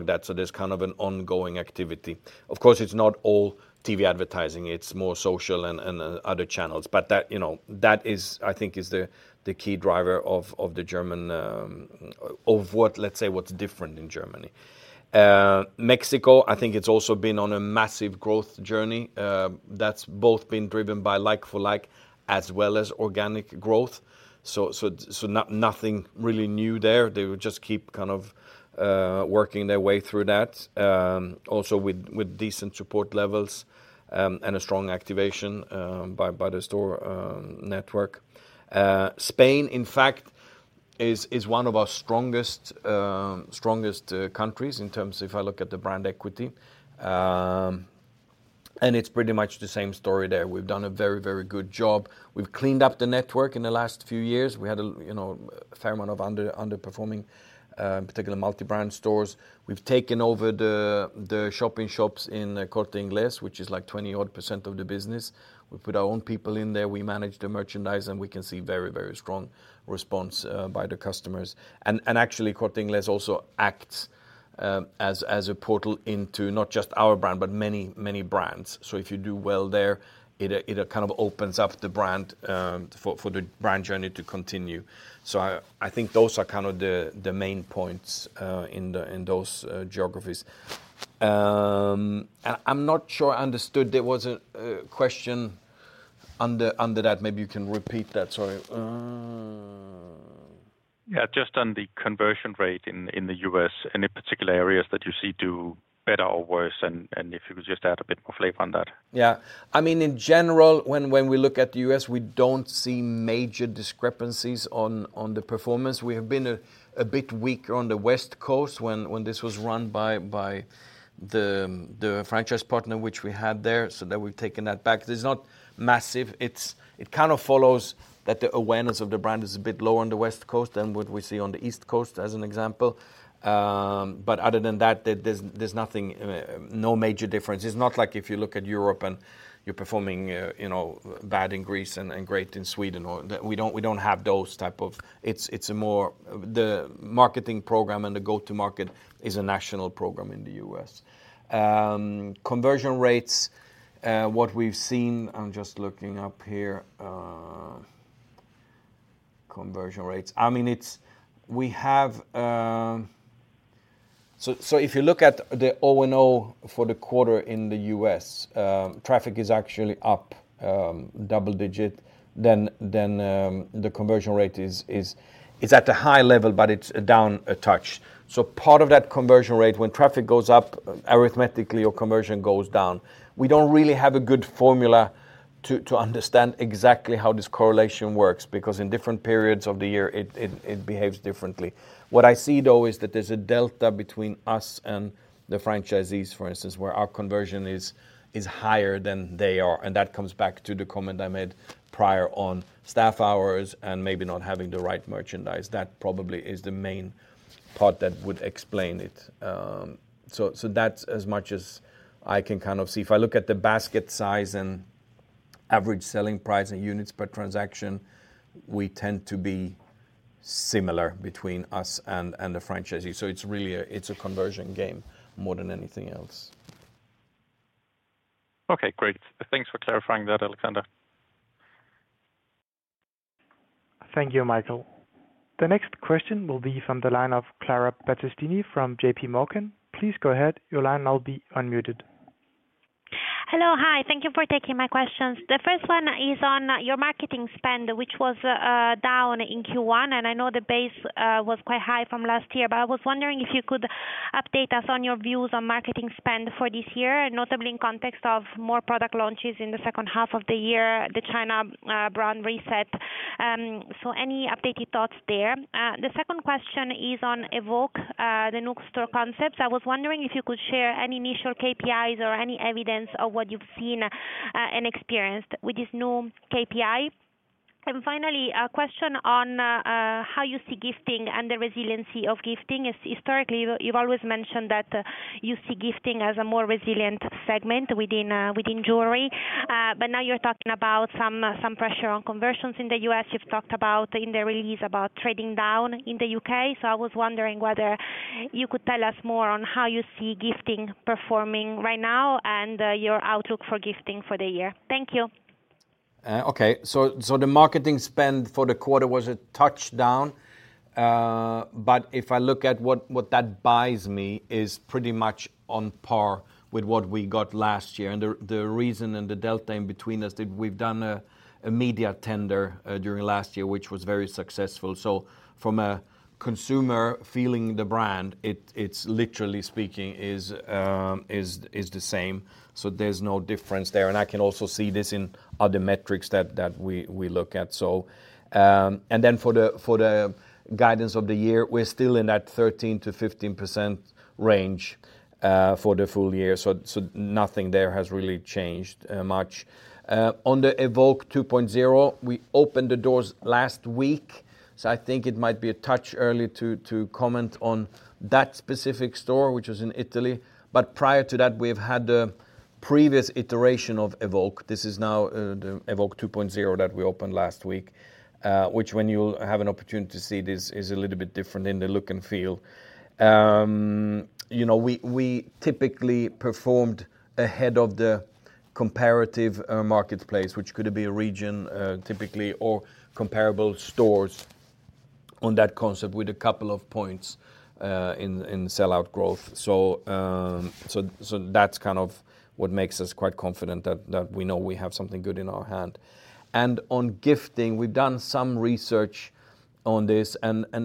that so there's kind of an ongoing activity. It's not all TV advertising, it's more social and other channels, but that, you know, that is I think is the key driver of the German of what let's say what's different in Germany. Mexico, I think it's also been on a massive growth journey that's both been driven by like-for-like as well as organic growth. Nothing really new there. They will just keep kind of working their way through that also with decent support levels and a strong activation by the store network. Spain, in fact, is one of our strongest countries in terms if I look at the brand equity. It's pretty much the same story there. We've done a very, very good job. We've cleaned up the network in the last few years. We had a, you know, a fair amount of underperforming in particular multi-brand stores. We've taken over the shopping shops in El Corte Inglés, which is like 20% of the business. We put our own people in there, we manage the merchandise, and we can see very, very strong response by the customers. Actually, El Corte Inglés also acts as a portal into not just our brand, but many, many brands. If you do well there, it kind of opens up the brand for the brand journey to continue. I think those are kind of the main points in those geographies. I'm not sure I understood. There was a question under that. Maybe you can repeat that. Sorry. Yeah, just on the conversion rate in the U.S., any particular areas that you see do better or worse and if you could just add a bit more flavor on that? Yeah. I mean, in general when we look at the U.S., we don't see major discrepancies on the performance. We have been a bit weaker on the West Coast when this was run by the franchise partner which we had there. We've taken that back. This is not massive. It kind of follows that the awareness of the brand is a bit lower on the West Coast than what we see on the East Coast as an example. Other than that, there's nothing, no major difference. It's not like if you look at Europe and you're performing, you know, bad in Greece and great in Sweden. We don't have those type of. It's a more, the marketing program and the go-to-market is a national program in the U.S. Conversion rates, what we've seen, I'm just looking up here. Conversion rates. I mean, it's, we have. If you look at the ONO for the quarter in the U.S., traffic is actually up double-digit. The conversion rate is, it's at a high level, but it's down a touch. Part of that conversion rate, when traffic goes up arithmetically or conversion goes down. We don't really have a good formula to understand exactly how this correlation works, because in different periods of the year it behaves differently. What I see, though, is that there's a delta between us and the franchisees, for instance, where our conversion is higher than they are, and that comes back to the comment I made prior on staff hours and maybe not having the right merchandise. That probably is the main part that would explain it. That's as much as I can kind of see. If I look at the basket size and average selling price and units per transaction, we tend to be similar between us and the franchisee. It's really a, it's a conversion game more than anything else. Okay, great. Thanks for clarifying that, Alexander. Thank you, Michael. The next question will be from the line of Chiara Battistini from J.P. Morgan. Please go ahead. Your line will be unmuted. Hello. Hi. Thank you for taking my questions. The first one is on your marketing spend, which was down in Q1. I know the base was quite high from last year, but I was wondering if you could update us on your views on marketing spend for this year, notably in context of more product launches in the second half of the year, the China brand reset. Any updated thoughts there? The second question is on Evoke, the new store concept. I was wondering if you could share any initial KPIs or any evidence of what you've seen and experienced with this new KPI. Finally, a question on how you see gifting and the resiliency of gifting. Historically you've always mentioned that you see gifting as a more resilient segment within jewelry. Now you're talking about some pressure on conversions in the U.S. You've talked about in the release about trading down in the U.K. I was wondering whether you could tell us more on how you see gifting performing right now and your outlook for gifting for the year. Thank you. Okay. The marketing spend for the quarter was a touchdown. If I look at what that buys me is pretty much on par with what we got last year. The reason and the delta in between is that we've done a media tender during last year, which was very successful. From a consumer feeling the brand, it's literally speaking is the same. There's no difference there. I can also see this in other metrics that we look at. For the guidance of the year, we're still in that 13%-15% range for the full year. Nothing there has really changed much. On the Evoke 2.0, we opened the doors last week. I think it might be a touch early to comment on that specific store, which is in Italy. Prior to that, we've had a previous iteration of Evoke. This is now the Evoke 2.0 that we opened last week, which when you'll have an opportunity to see, this is a little bit different in the look and feel. You know, we typically performed ahead of the comparative marketplace, which could be a region typically or comparable stores on that concept with a couple of points in sell-out growth. That's kind of what makes us quite confident that we know we have something good in our hand. On gifting, we've done some research on this.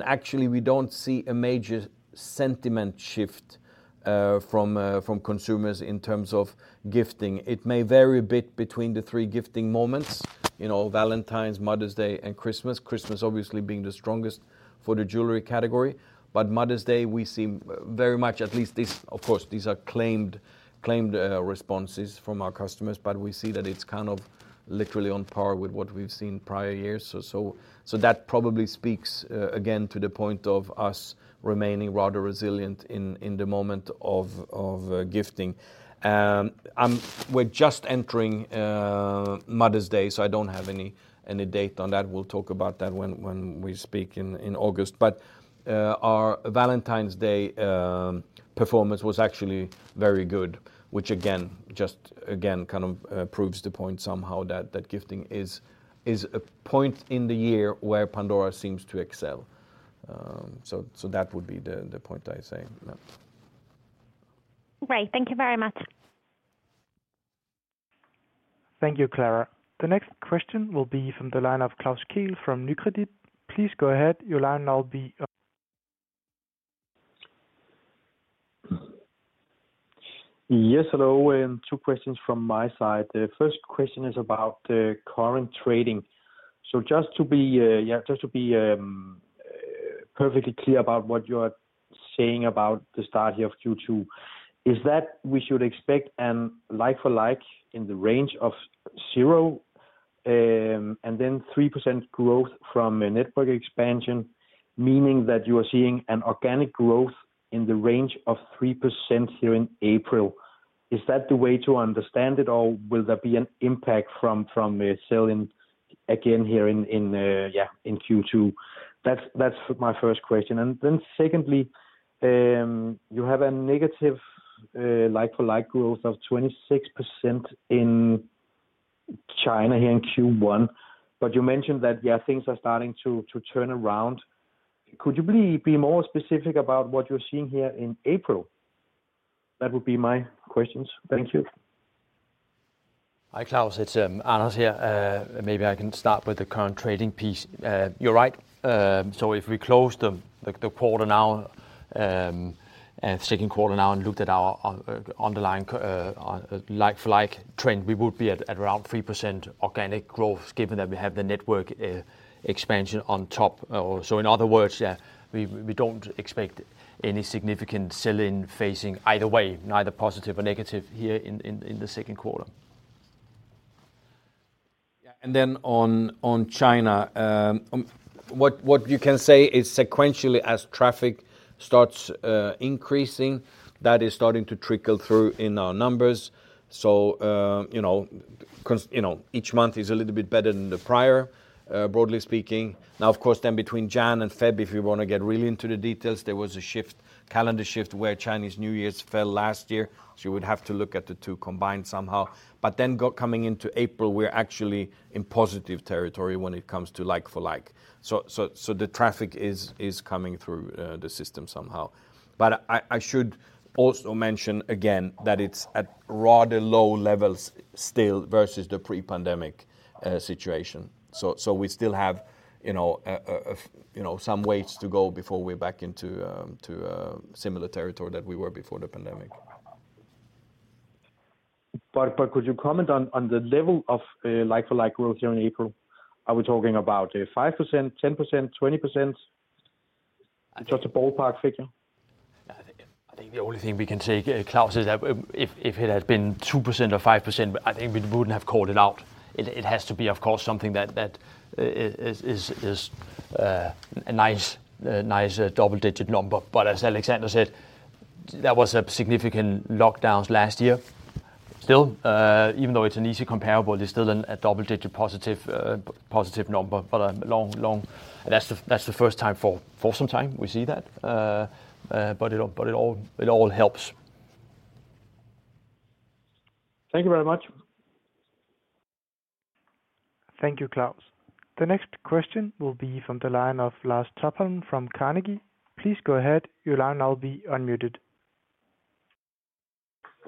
Actually, we don't see a major sentiment shift from consumers in terms of gifting. It may vary a bit between the three gifting moments, you know, Valentine's, Mother's Day, and Christmas. Christmas obviously being the strongest for the jewelry category. Mother's Day, we see very much at least this. Of course, these are claimed responses from our customers, but we see that it's kind of literally on par with what we've seen prior years. That probably speaks again to the point of us remaining rather resilient in the moment of gifting. We're just entering Mother's Day, so I don't have any date on that. We'll talk about that when we speak in August. Our Valentine's Day performance was actually very good, which again, just again, kind of, proves the point somehow that gifting is a point in the year where Pandora seems to excel. So that would be the point I say. Great. Thank you very much. Thank you, Clara. The next question will be from the line of Klaus Kehl from Nykredit. Please go ahead. Your line will now be. Yes, hello. Two questions from my side. The first question is about the current trading. Just to be perfectly clear about what you are saying about the start here of Q2, is that we should expect like-for-like in the range of 0%-3% growth from a network expansion, meaning that you are seeing an organic growth in the range of 3% here in April. Is that the way to understand it all? Will there be an impact from a sell in again here in Q2? That's my first question. Secondly, you have a negative like-for-like growth of 26% in China here in Q1, but you mentioned that things are starting to turn around. Could you please be more specific about what you're seeing here in April? That would be my questions. Thank you. Hi, Klaus. It's Anders here. Maybe I can start with the current trading piece. You're right. If we close the quarter now, second quarter now and looked at our underlying like-for-like trend, we would be at around 3% organic growth given that we have the network expansion on top. In other words, yeah, we don't expect any significant sell in phasing either way, neither positive or negative here in the second quarter. Yeah. On, on China, what you can say is sequentially as traffic starts increasing, that is starting to trickle through in our numbers. You know, each month is a little bit better than the prior, broadly speaking. Of course, then between January and February, if you wanna get really into the details, there was a shift, calendar shift where Chinese New Year's fell last year. You would have to look at the two combined somehow. Coming into April, we're actually in positive territory when it comes to like-for-like. The traffic is coming through the system somehow. I should also mention again that it's at rather low levels still versus the pre-pandemic situation. We still have, you know, you know, some ways to go before we're back into to a similar territory that we were before the pandemic. could you comment on the level of like-for-like growth here in April? Are we talking about 5%, 10%, 20%? Just a ballpark figure. I think the only thing we can say, Klaus, is that if it had been 2% or 5%, I think we wouldn't have called it out. It has to be, of course, something that is a nice double-digit number. As Alexander said, that was a significant lockdowns last year. Still, even though it's an easy comparable, it's still a double-digit positive number. Long, long-- that's the, that's the first time for some time we see that. It all, it all, it all helps. Thank you very much. Thank you, Klaus. The next question will be from the line of Lars Topholm from Carnegie. Please go ahead. Your line will now be unmuted.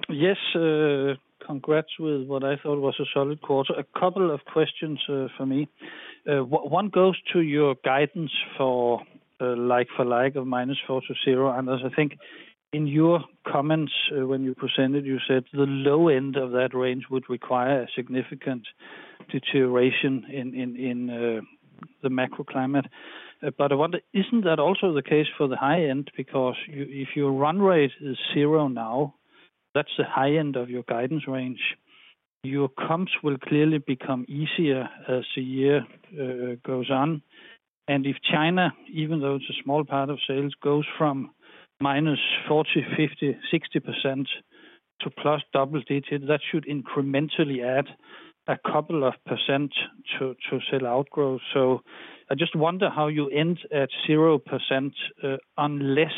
Yes, congrats with what I thought was a solid quarter. A couple of questions for me. One goes to your guidance for like-for-like of -4% to 0%. As I think in your comments when you presented, you said the low end of that range would require significant deterioration in the macro climate. I wonder, isn't that also the case for the high end? If your run rate is zero now, that's the high end of your guidance range. Your comps will clearly become easier as the year goes on. If China, even though it's a small part of sales, goes from -40%, -50%, -60% to +double digits, that should incrementally add a couple of % to sell outgrow. I just wonder how you end at 0%, unless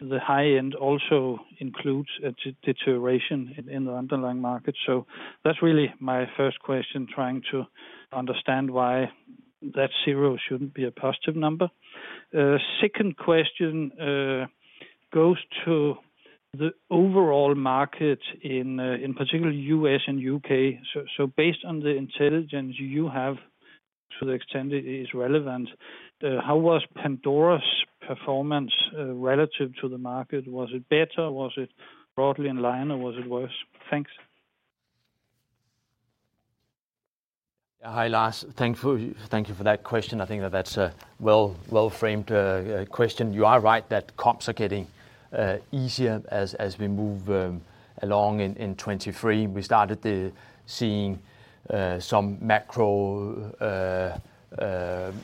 the high end also includes a deterioration in the underlying market. That's really my first question, trying to understand why that zero shouldn't be a positive number. Second question, goes to the overall market in particular U.S. and U.K. Based on the intelligence you have to the extent it is relevant, how was Pandora's performance relative to the market? Was it better, was it broadly in line, or was it worse? Thanks. Yeah, hi, Lars. Thank you for that question. I think that that's a well framed question. You are right that comps are getting easier as we move along in 2023. We started to seeing some macro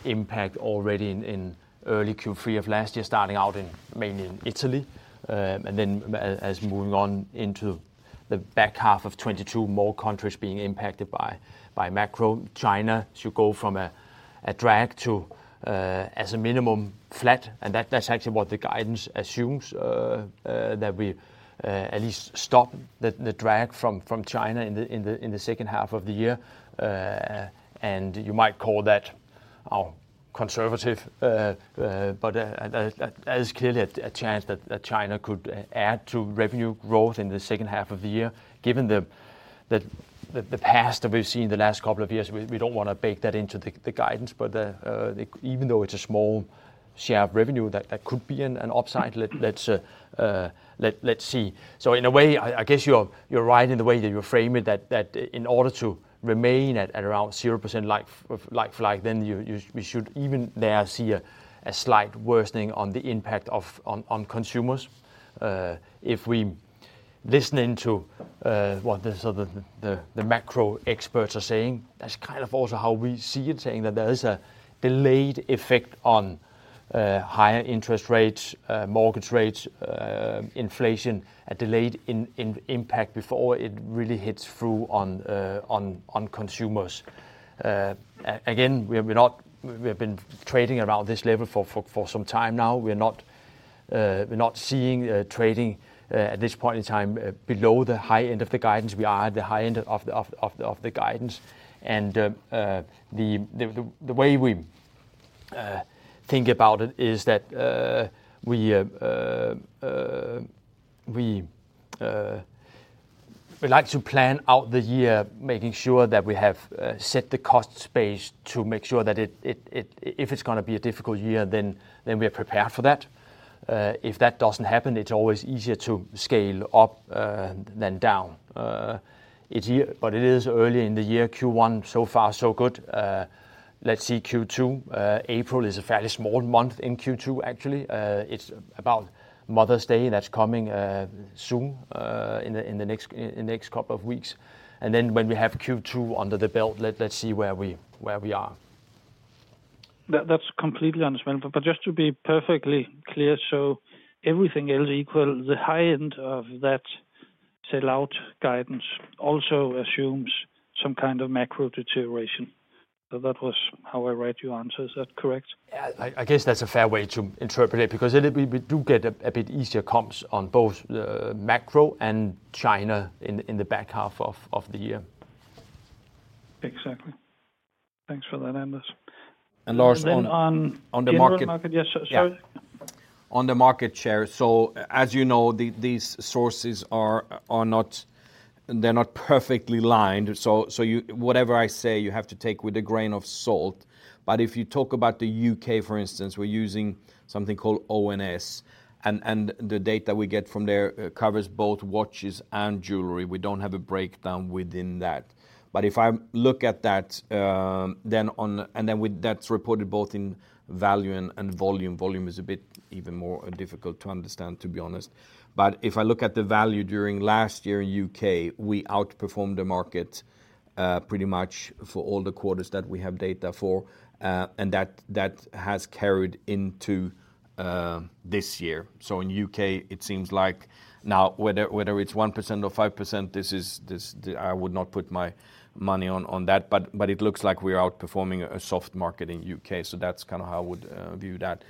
impact already in early Q3 of last year, starting out in mainly in Italy. As moving on into the back half of 2022, more countries being impacted by macro. China should go from a drag to as a minimum flat, that's actually what the guidance assumes that we at least stop the drag from China in the second half of the year. You might call that our conservative. There's clearly a chance that China could add to revenue growth in the second half of the year. Given the past that we've seen the last couple of years, we don't wanna bake that into the guidance. Even though it's a small share of revenue that could be an upside. Let's see. In a way, I guess you're right in the way that you frame it, that in order to remain at around 0% like-for-like then you should even there see a slight worsening on the impact of on consumers. If we listening to what the sort of the macro experts are saying, that's kind of also how we see it, saying that there is a delayed effect on higher interest rates, mortgage rates, inflation, a delayed impact before it really hits through on on consumers. Again, we're not we have been trading around this level for some time now. We're not we're not seeing trading at this point in time below the high end of the guidance. We are at the high end of the guidance. The way we think about it is that we like to plan out the year, making sure that we have set the cost space to make sure that it. If it's gonna be a difficult year, then we are prepared for that. If that doesn't happen, it's always easier to scale up than down. It is early in the year, Q1 so far so good. Let's see Q2. April is a fairly small month in Q2 actually. It's about Mother's Day that's coming soon in the next couple of weeks. Then when we have Q2 under the belt, let's see where we are. That's completely understandable. Just to be perfectly clear, everything else equal, the high end of that sell out guidance also assumes some kind of macro deterioration. That was how I read your answer. Is that correct? Yeah. I guess that's a fair way to interpret it, because it, we do get a bit easier comps on both macro and China in the back half of the year. Exactly. Thanks for that, Anders. Lars on- And then on On the market The overall market. Yes, sorry. Yeah. On the market share. As you know, these sources are not. They're not perfectly lined. Whatever I say, you have to take with a grain of salt. If you talk about the U.K., for instance, we're using something called ONS, and the data we get from there covers both watches and jewelry. We don't have a breakdown within that. If I look at that, with that's reported both in value and volume. Volume is a bit even more difficult to understand, to be honest. If I look at the value during last year in U.K., we outperformed the market pretty much for all the quarters that we have data for, and that has carried into this year. In U.K. it seems like now whether it's 1% or 5%, this I would not put my money on that, but it looks like we're outperforming a soft market in U.K. That's kinda how I would view that.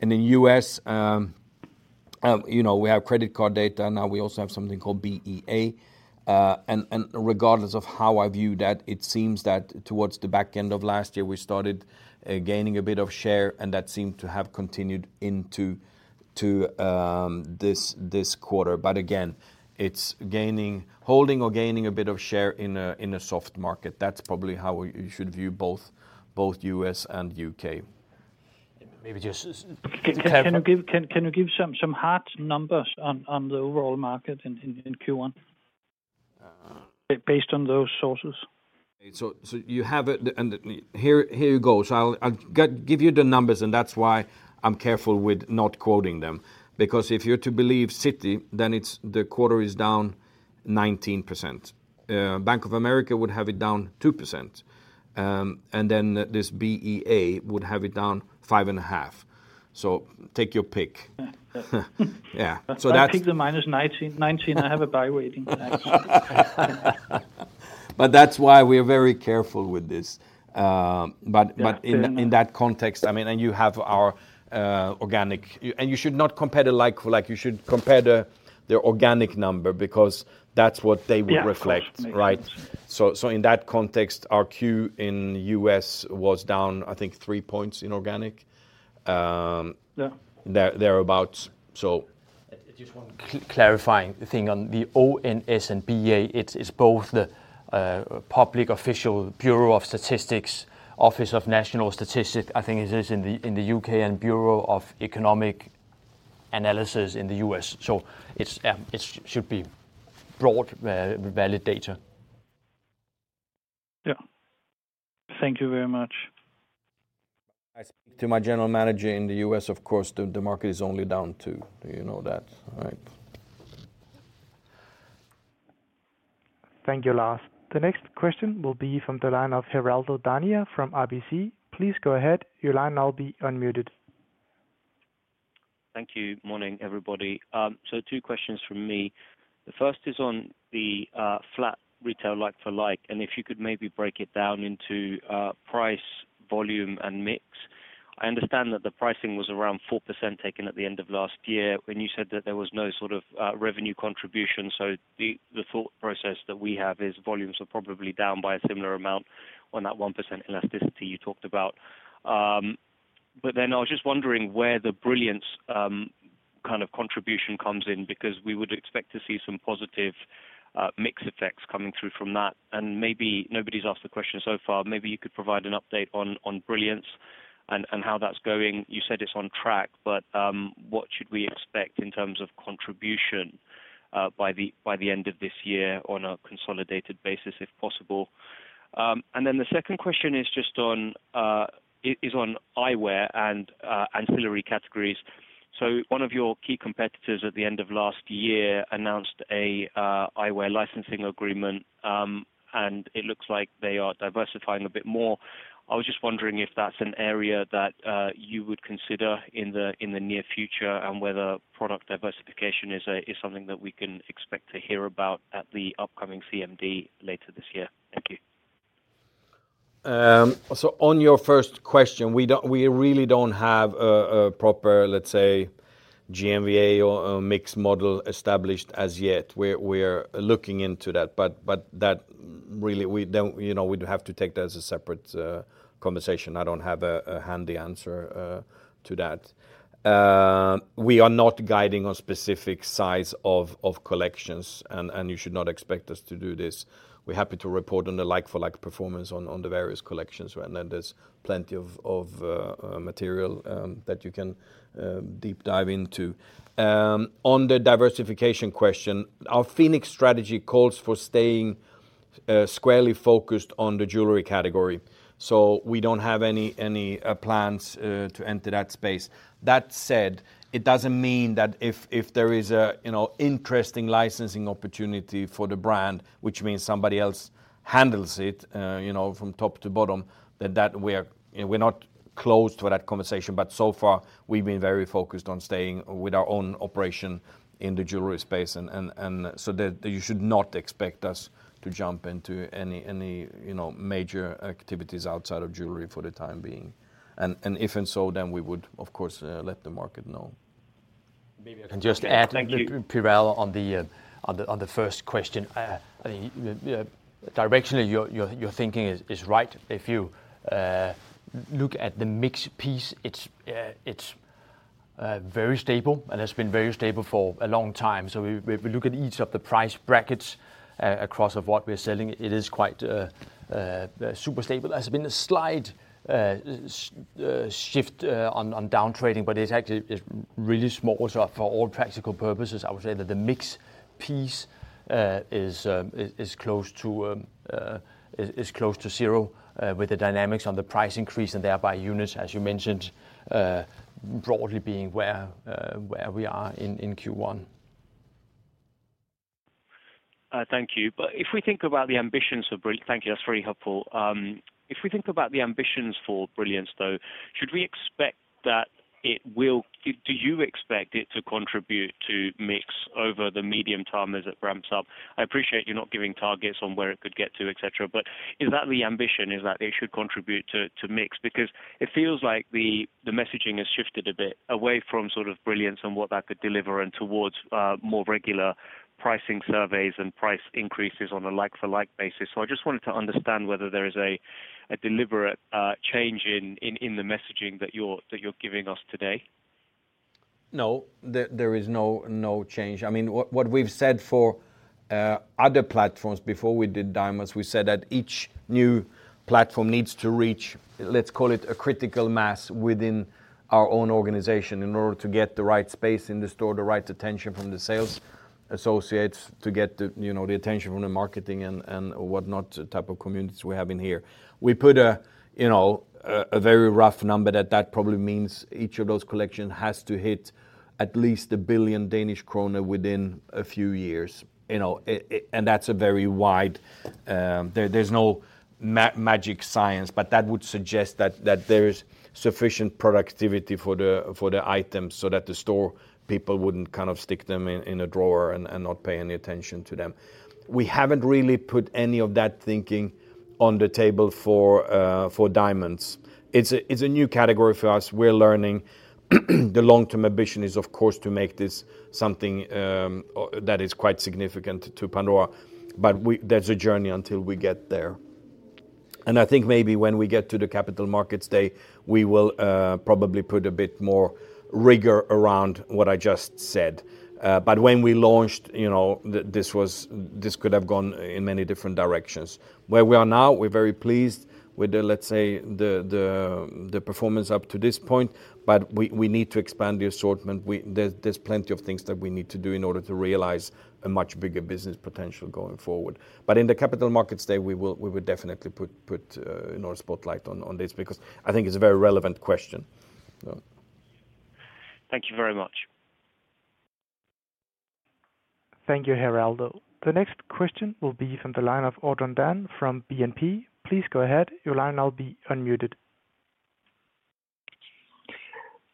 In the U.S., you know, we have credit card data. Now we also have something called BEA. Regardless of how I view that, it seems that towards the back end of last year, we started gaining a bit of share, and that seemed to have continued into this quarter. Again, it's gaining, holding or gaining a bit of share in a soft market. That's probably how you should view both U.S. and U.K. Maybe just-. Can you give some hard numbers on the overall market in Q1? Uh. Based on those sources. You have it. Here it goes. I'll give you the numbers, and that's why I'm careful with not quoting them. Because if you're to believe Citi, then it's, the quarter is down 19%. Bank of America would have it down 2%. Then this BEA would have it down 5.5%. Take your pick. Yeah. Yeah. I'll take the minus 19. I have a buy rating actually. That's why we're very careful with this. Yeah In that context, I mean, you have our organic. You should not compare it like-for-like. You should compare the organic number because that's what they will reflect. Yeah. Of course. Makes sense. Right? In that context, our Q in U.S. was down, I think three points in organic. Yeah There, thereabout. Just one clarifying thing on the ONS and BA, it's both the public official bureau of statistics, Office for National Statistics, I think it is in the U.K., and Bureau of Economic Analysis in the U.S. It should be broad, valid data. Yeah. Thank you very much. I speak to my general manager in the U.S., of course, the market is only down 2%. You know that, right? Thank you, Lars. The next question will be from the line of Piral Dadhania from RBC. Please go ahead. Your line will now be unmuted. Thank you. Morning, everybody. Two questions from me. The first is on the flat retail like-for-like, and if you could maybe break it down into price, volume and mix. I understand that the pricing was around 4% taken at the end of last year when you said that there was no sort of revenue contribution. The thought process that we have is volumes are probably down by a similar amount on that 1% elasticity you talked about. I was just wondering where the Brilliance kind of contribution comes in because we would expect to see some positive mix effects coming through from that. Maybe nobody's asked the question so far, maybe you could provide an update on Brilliance and how that's going. You said it's on track, what should we expect in terms of contribution by the end of this year on a consolidated basis, if possible? Then the second question is just on eyewear and ancillary categories. One of your key competitors at the end of last year announced a eyewear licensing agreement, and it looks like they are diversifying a bit more. I was just wondering if that's an area that you would consider in the near future, and whether product diversification is something that we can expect to hear about at the upcoming CMD later this year. Thank you. On your first question, we don't, we really don't have a proper, let's say, GMBA or mixed model established as yet. We're looking into that. But that really we don't, you know, we'd have to take that as a separate conversation. I don't have a handy answer to that. We are not guiding on specific size of collections and you should not expect us to do this. We're happy to report on the like-for-like performance on the various collections, and then there's plenty of material that you can deep dive into. On the diversification question, our Phoenix strategy calls for staying squarely focused on the jewelry category. We don't have any plans to enter that space. That said, it doesn't mean that if there is a, you know, interesting licensing opportunity for the brand, which means somebody else handles it, you know, from top to bottom, that, you know, we're not closed to that conversation. So far, we've been very focused on staying with our own operation in the jewelry space and so that you should not expect us to jump into any, you know, major activities outside of jewelry for the time being. If and so, then we would, of course, let the market know. Maybe I can just add, Piral, on the first question. I mean, directionally, your thinking is right. If you look at the mix piece, it's very stable, and it's been very stable for a long time. If we look at each of the price brackets across of what we're selling, it is quite super stable. There's been a slight shift on down trading, but it's actually, it's really small. For all practical purposes, I would say that the mix piece is close to zero with the dynamics on the price increase and thereby units, as you mentioned, broadly being where we are in Q1. Thank you. Thank you, that's very helpful. If we think about the ambitions for Brilliance, though, should we expect that it will do you expect it to contribute to mix over the medium term as it ramps up? I appreciate you're not giving targets on where it could get to, et cetera, but is that the ambition? Is that it should contribute to mix? Because it feels like the messaging has shifted a bit away from sort of Brilliance and what that could deliver and towards more regular pricing surveys and price increases on a like-for-like basis. I just wanted to understand whether there is a deliberate change in the messaging that you're giving us today. No. There is no change. I mean, what we've said for other platforms before we did diamonds, we said that each new platform needs to reach, let's call it a critical mass within our own organization in order to get the right space in the store, the right attention from the sales associates to get the, you know, the attention from the marketing and whatnot type of communities we have in here. We put a, you know, a very rough number that probably means each of those collection has to hit at least 1 billion Danish kroner within a few years. You know, and that's a very wide, there's no magic science, but that would suggest that there is sufficient productivity for the items so that the store people wouldn't kind of stick them in a drawer and not pay any attention to them. We haven't really put any of that thinking on the table for diamonds. It's a new category for us. We're learning. The long-term ambition is, of course, to make this something that is quite significant to Pandora, but that's a journey until we get there. I think maybe when we get to the Capital Markets Day, we will probably put a bit more rigor around what I just said. When we launched, you know, this could have gone in many different directions. Where we are now, we're very pleased with the, let's say, the performance up to this point, but we need to expand the assortment. There's plenty of things that we need to do in order to realize a much bigger business potential going forward. In the Capital Markets Day, we will definitely put more spotlight on this because I think it's a very relevant question. Thank you very much. Thank you, Piral. The next question will be from the line of Antoine Belge from BNP. Please go ahead. Your line will now be unmuted.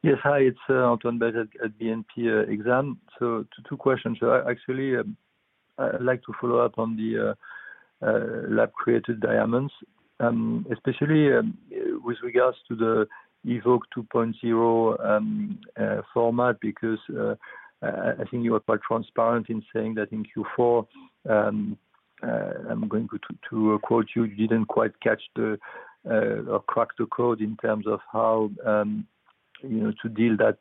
Yes. Hi. It's Antoine Belge at BNP Exane. Two questions. Actually, I'd like to follow up on the lab-grown diamonds, especially with regards to the Evoke 2.0 format, because I think you are quite transparent in saying that in Q4, I'm going to quote you didn't quite catch the or crack the code in terms of how, you know, to deal that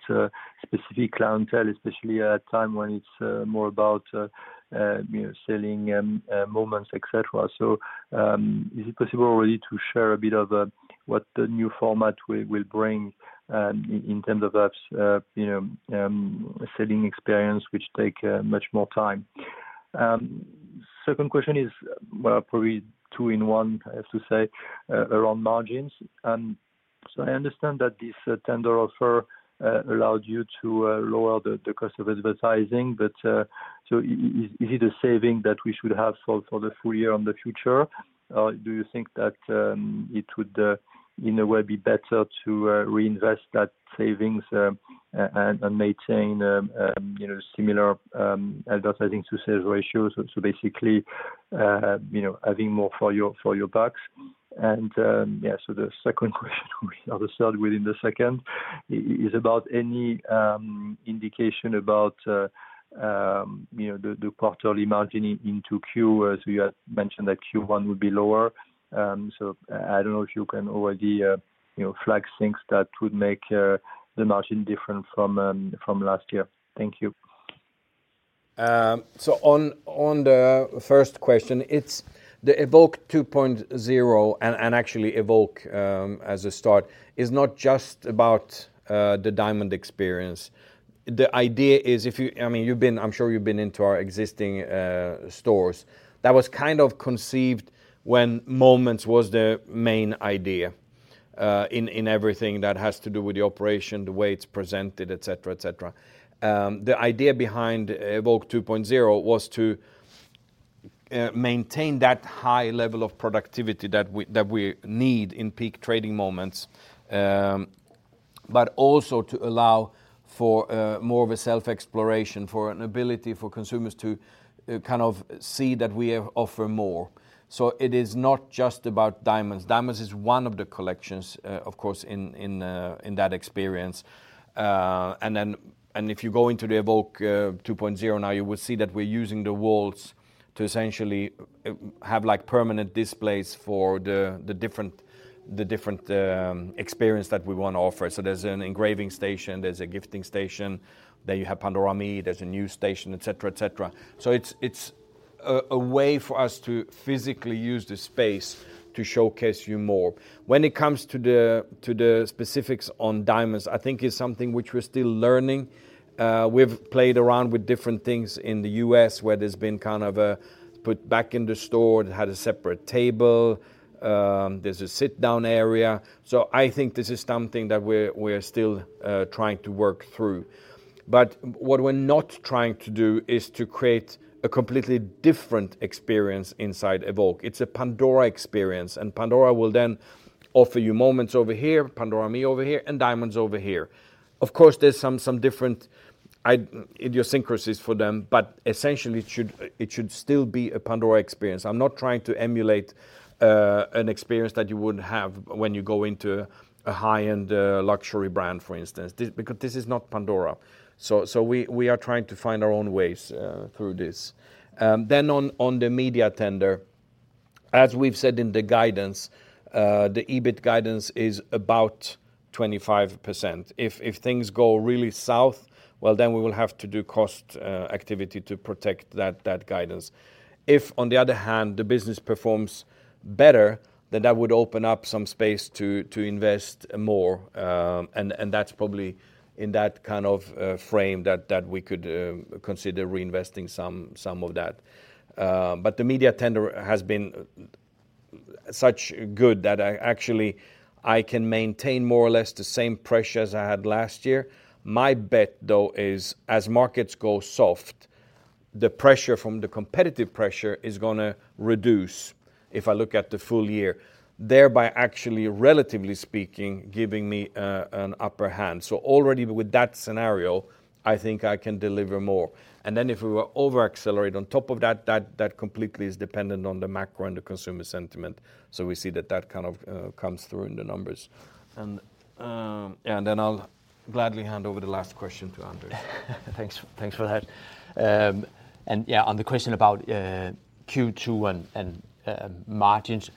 specific clientele, especially at a time when it's more about, you know, selling moments, et cetera. Is it possible really to share a bit of what the new format will bring in terms of perhaps, you know, selling experience which take much more time? Second question is, well, probably two in one, I have to say, around margins. I understand that this tender offer allowed you to lower the cost of advertising, is it a saving that we should have for the full year on the future? Do you think that it would in a way be better to reinvest that savings and maintain, you know, similar advertising to sales ratios? Basically, you know, having more for your bucks. The second question or the third within the second is about any indication about, you know, the quarterly margin into Q, as we had mentioned that Q1 would be lower. I don't know if you can already, you know, flag things that would make the margin different from last year. Thank you. On the first question, it's the Evoke 2.0 and actually Evoke, as a start, is not just about the diamond experience. The idea is I mean, I'm sure you've been into our existing stores. That was kind of conceived when Moments was the main idea in everything that has to do with the operation, the way it's presented, et cetera, et cetera. The idea behind Evoke 2.0 was to maintain that high level of productivity that we need in peak trading moments, also to allow for more of a self-exploration, for an ability for consumers to kind of see that we offer more. It is not just about diamonds. Diamonds is one of the collections, of course, in that experience. If you go into the Evoke 2.0 now, you will see that we're using the walls to essentially have like permanent displays for the different experience that we want to offer. There's an engraving station, there's a gifting station, then you have Pandora ME, there's a news station, et cetera, et cetera. It's a way for us to physically use the space to showcase you more. When it comes to the specifics on diamonds, I think it's something which we're still learning. We've played around with different things in the U.S. where there's been kind of a put back in the store. It had a separate table, there's a sit-down area. I think this is something that we're still trying to work through. What we're not trying to do is to create a completely different experience inside Evoke. It's a Pandora experience. Pandora will then offer you Moments over here, Pandora ME over here, and Diamonds over here. Of course, there's some different idiosyncrasies for them, but essentially it should still be a Pandora experience. I'm not trying to emulate an experience that you would have when you go into a high-end luxury brand, for instance, because this is not Pandora. We are trying to find our own ways through this. On the media tender, as we've said in the guidance, the EBIT guidance is about 25%. If things go really south, well, then we will have to do cost activity to protect that guidance. If, on the other hand, the business performs better, then that would open up some space to invest more, and that's probably in that kind of frame that we could consider reinvesting some of that. The media tender has been such good that I actually, I can maintain more or less the same pressure as I had last year. My bet, though, is as markets go soft, the pressure from the competitive pressure is gonna reduce if I look at the full year, thereby actually, relatively speaking, giving me an upper hand. Already with that scenario, I think I can deliver more. If we were over-accelerate on top of that completely is dependent on the macro and the consumer sentiment. We see that that kind of comes through in the numbers. Yeah, and then I'll gladly hand over the last question to Adrian. Thanks for that. Yeah, on the question about Q2 and margins,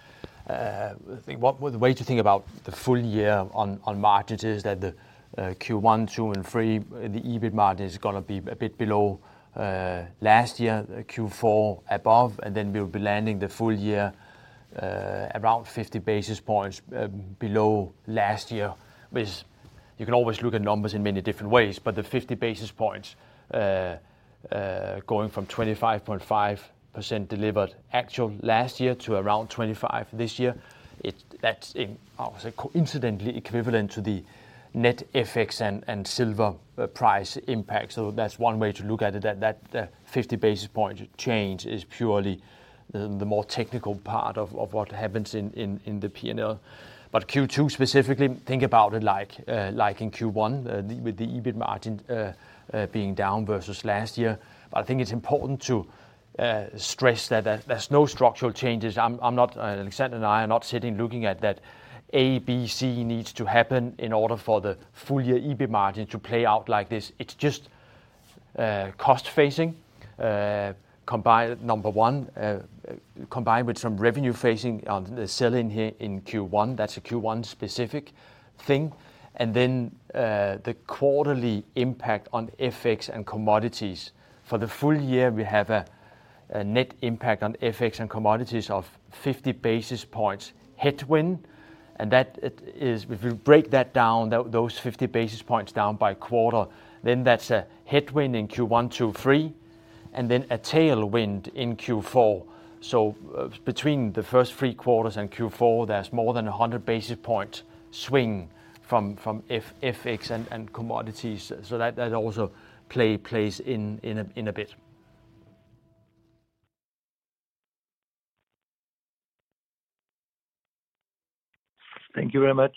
I think the way to think about the full year on margins is that the Q1, two and three, the EBIT margin is going to be a bit below last year, Q4 above. Then we'll be landing the full year around 50 basis points below last year. Which you can always look at numbers in many different ways, but the 50 basis points going from 25.5% delivered actual last year to around 25% this year, that's coincidentally equivalent to the net FX and silver price impact. That's one way to look at it, that 50 basis point change is purely the more technical part of what happens in the P&L. Q2 specifically, think about it like in Q1, with the EBIT margin being down versus last year. I think it's important to stress that there's no structural changes. I'm not. Alexander and I are not sitting looking at that A, B, C needs to happen in order for the full year EBIT margin to play out like this. It's just cost facing, combined, number one, combined with some revenue facing on the selling here in Q1. That's a Q1 specific thing. Then, the quarterly impact on FX and commodities. For the full year, we have a net impact on FX and commodities of 50 basis points headwind. That it is, if you break those 50 basis points down by quarter, then that's a headwind in Q1, two, three, and then a tailwind in Q4. Between the first three quarters and Q4, there's more than 100 basis points swing from FX and commodities. That, that also plays in a, in a bit. Thank you very much.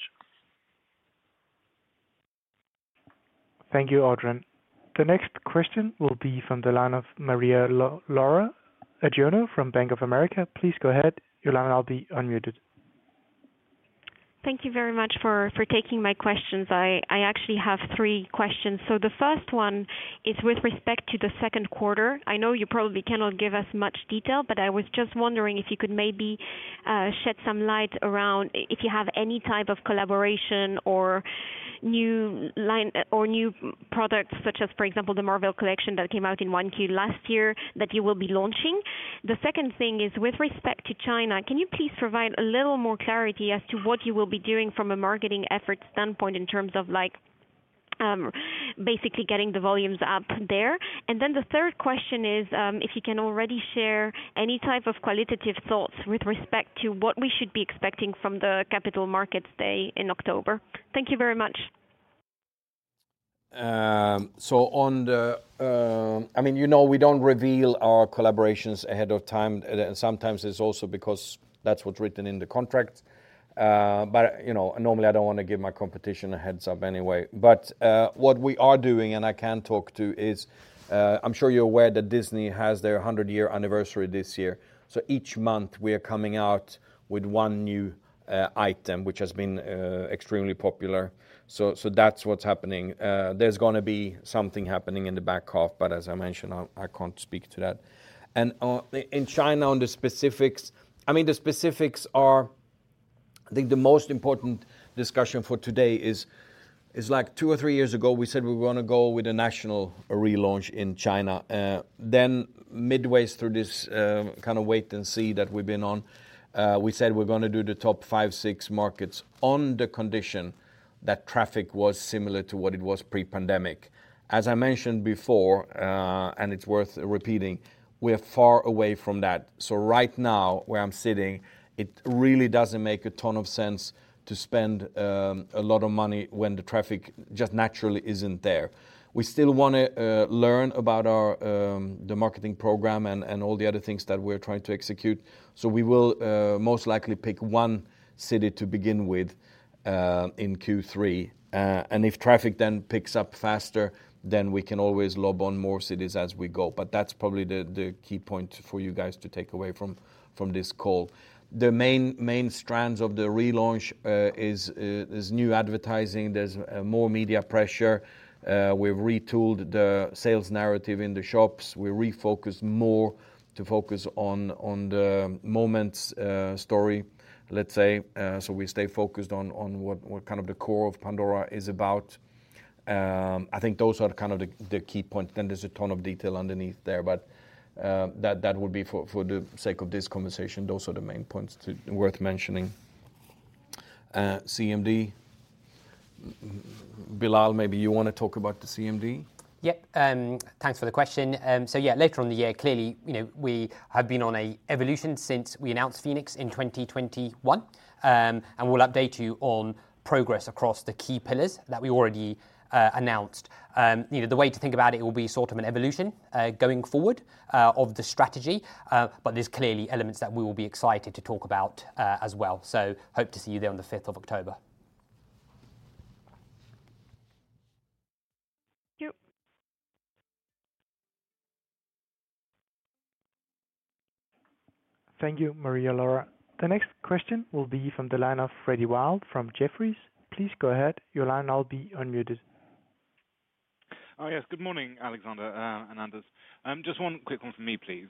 Thank you, Anders. The next question will be from the line of Maria-Laura Adurno from Bank of America. Please go ahead. Your line will be unmuted. Thank you very much for taking my questions. I actually have three questions. The first one is with respect to the 2Q. I know you probably cannot give us much detail, but I was just wondering if you could maybe shed some light around if you have any type of collaboration or new line or new products such as, for example, the Marvel collection that came out in 1Q last year that you will be launching. The second thing is with respect to China, can you please provide a little more clarity as to what you will be doing from a marketing effort standpoint in terms of like, basically getting the volumes up there? The third question is, if you can already share any type of qualitative thoughts with respect to what we should be expecting from the Capital Markets Day in October. Thank you very much. So on the, I mean, you know, we don't reveal our collaborations ahead of time, and sometimes it's also because that's what's written in the contract. You know, normally I don't wanna give my competition a heads up anyway. What we are doing, and I can talk to, is, I'm sure you're aware that Disney has their 100-year anniversary this year. Each month we are coming out with one new item, which has been extremely popular. So that's what's happening. There's gonna be something happening in the back half, but as I mentioned, I can't speak to that. In China, on the specifics, I mean, the specifics are, I think the most important discussion for today is like two or three years ago, we said we were gonna go with a national relaunch in China. Midways through this kind of wait and see that we've been on, we said we're gonna do the top five, six markets on the condition that traffic was similar to what it was pre-pandemic. As I mentioned before, and it's worth repeating, we're far away from that. Right now, where I'm sitting, it really doesn't make a ton of sense to spend a lot of money when the traffic just naturally isn't there. We still wanna learn about our marketing program and all the other things that we're trying to execute. We will most likely pick 1 city to begin with in Q3. If traffic picks up faster, then we can always lob on more cities as we go. That's probably the key point for you guys to take away from this call. The main strands of the relaunch is there's new advertising, there's more media pressure. We've retooled the sales narrative in the shops. We refocused more to focus on the Moments story, let's say, we stay focused on what kind of the core of Pandora is about. I think those are kind of the key points. There's a ton of detail underneath there. That would be for the sake of this conversation, those are the main points worth mentioning. CMD. Bilal, maybe you wanna talk about the CMD? Thanks for the question. Later on the year, clearly, you know, we have been on a evolution since we announced Phoenix in 2021. We'll update you on progress across the key pillars that we already announced. You know, the way to think about it will be sort of an evolution going forward of the strategy. There's clearly elements that we will be excited to talk about as well. Hope to see you there on the 5th of October. Thank you. Thank you, Maria-Laura. The next question will be from the line of Freddie Wild from Jefferies. Please go ahead. Your line now will be unmuted. Oh, yes. Good morning, Alexander and Anders. Just one quick one from me, please.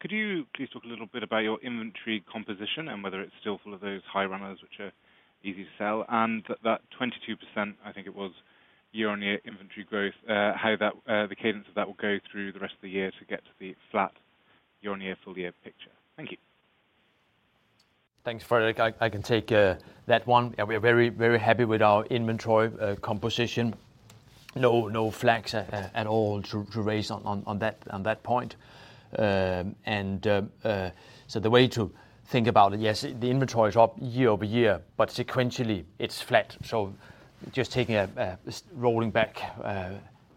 Could you please talk a little bit about your inventory composition and whether it's still full of those high runners which are easy to sell? That 22%, I think it was, year-over-year inventory growth, how that the cadence of that will go through the rest of the year to get to the flat year-over-year full-year picture? Thank you. Thanks, Frederick. I can take that one. Yeah, we are very, very happy with our inventory composition. No flags at all to raise on that point. The way to think about it, yes, the inventory is up year-over-year, but sequentially it's flat. Rolling back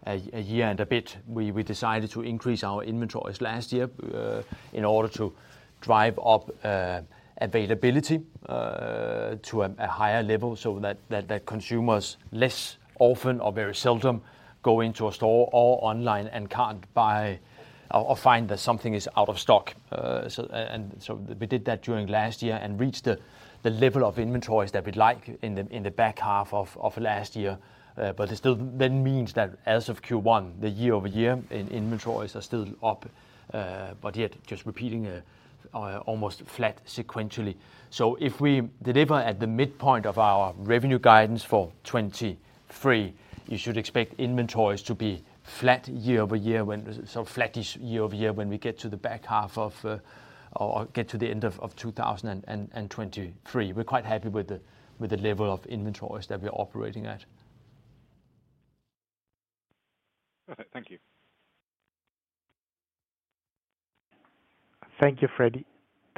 a year and a bit, we decided to increase our inventories last year in order to drive up availability to a higher level so that consumers less often or very seldom go into a store or online and can't buy or find that something is out of stock. We did that during last year and reached the level of inventories that we'd like in the back half of last year. It still means that as of Q1, the year-over-year in inventories are still up, but yet just repeating almost flat sequentially. If we deliver at the midpoint of our revenue guidance for 23, you should expect inventories to be flat year-over-year, flat-ish year-over-year when we get to the back half of or get to the end of 2023. We're quite happy with the level of inventories that we're operating at. Perfect. Thank you. Thank you, Freddie.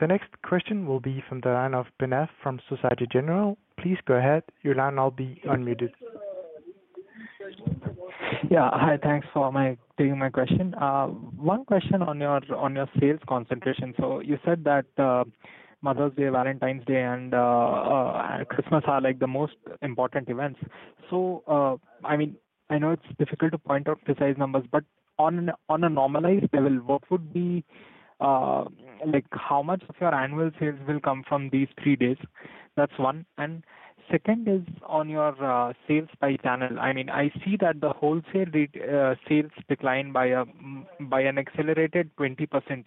The next question will be from the line of Abhinav from Société Générale. Please go ahead. Your line now will be unmuted. Yeah. Hi, thanks for taking my question. One question on your sales concentration. You said that Mother's Day, Valentine's Day, and Christmas are, like, the most important events. I mean, I know it's difficult to point out precise numbers, but on a normalized level, what would be, like, how much of your annual sales will come from these three days? That's one. Second is on your sales by channel. I mean, I see that the wholesale sales declined by an accelerated 20%,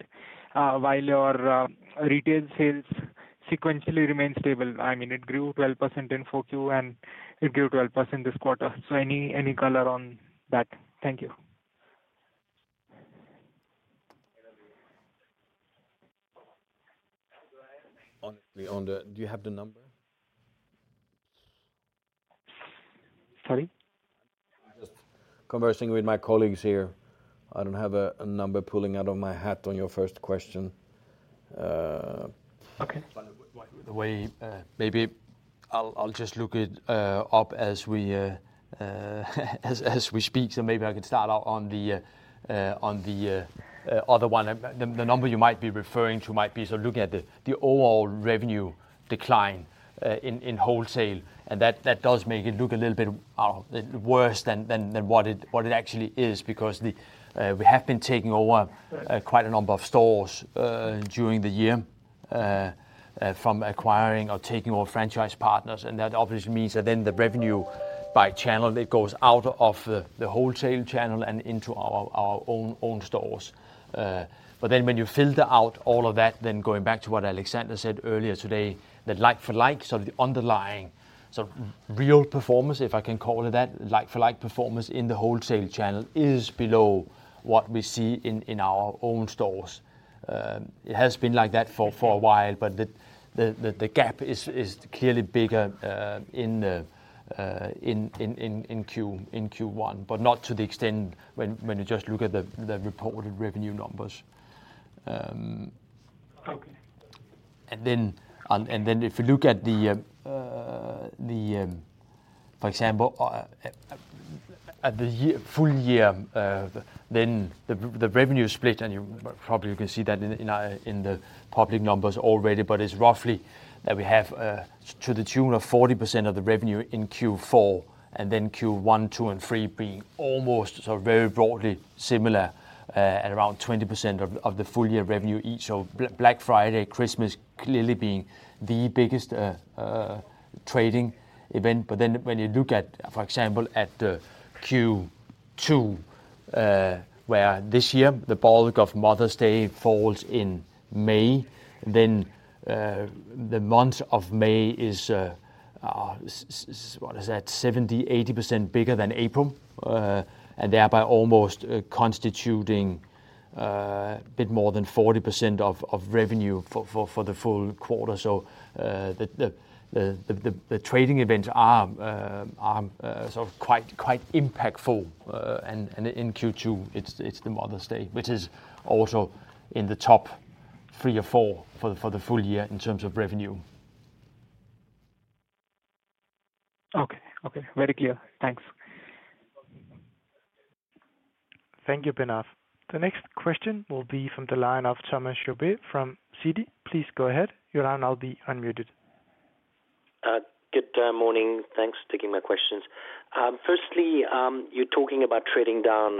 while your retail sales sequentially remained stable. I mean, it grew 12% in 4Q, and it grew 12% this quarter. Any color on that? Thank you. Honestly, do you have the number? Sorry? Just conversing with my colleagues here. I don't have a number pulling out of my hat on your first question. Okay. By the way, maybe I'll just look it up as we speak. Maybe I can start out on the other one. The number you might be referring to might be sort of looking at the overall revenue decline in wholesale. That does make it look a little bit worse than what it actually is because we have been taking over quite a number of stores during the year from acquiring or taking over franchise partners. That obviously means that the revenue by channel, it goes out of the wholesale channel and into our own stores. When you filter out all of that, going back to what Alexander said earlier today, that like-for-like, so the underlying, so real performance, if I can call it that, like-for-like performance in the wholesale channel is below what we see in our own stores. It has been like that for a while, but the gap is clearly bigger in Q1, but not to the extent when you just look at the reported revenue numbers. Okay. If you look at the, for example, at the year, full year, then the revenue is split, and you probably can see that in the public numbers already, but it's roughly that we have to the tune of 40% of the revenue in Q4, and then Q1, Q2, and Q3 being almost so very broadly similar, at around 20% of the full year revenue each. Black Friday, Christmas clearly being the biggest trading event. When you look at, for example, at the Q2, where this year the bulk of Mother's Day falls in May, then the month of May is what is that? 70%, 80% bigger than April, and thereby almost constituting a bit more than 40% of revenue for the full quarter. The trading events are sort of quite impactful. And in Q2 it's the Mother's Day, which is also in the top three or four for the full year in terms of revenue. Okay. Okay. Very clear. Thanks. Thank you, Abhinav. The next question will be from the line of Thomas Chauvet from Citi. Please go ahead. Your line now be unmuted. Good morning. Thanks for taking my questions. Firstly, you're talking about trading down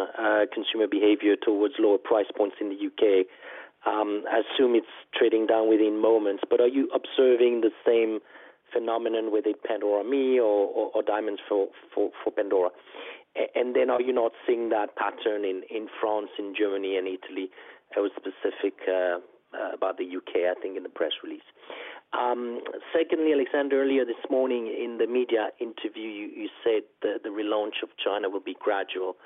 consumer behavior towards lower price points in the U.K. I assume it's trading down within Pandora Moments, but are you observing the same phenomenon within Pandora ME or Diamonds for Pandora? Are you not seeing that pattern in France and Germany and Italy? It was specific about the U.K., I think, in the press release. Secondly, Alexander Lacik, earlier this morning in the media interview, you said the relaunch of China will be gradual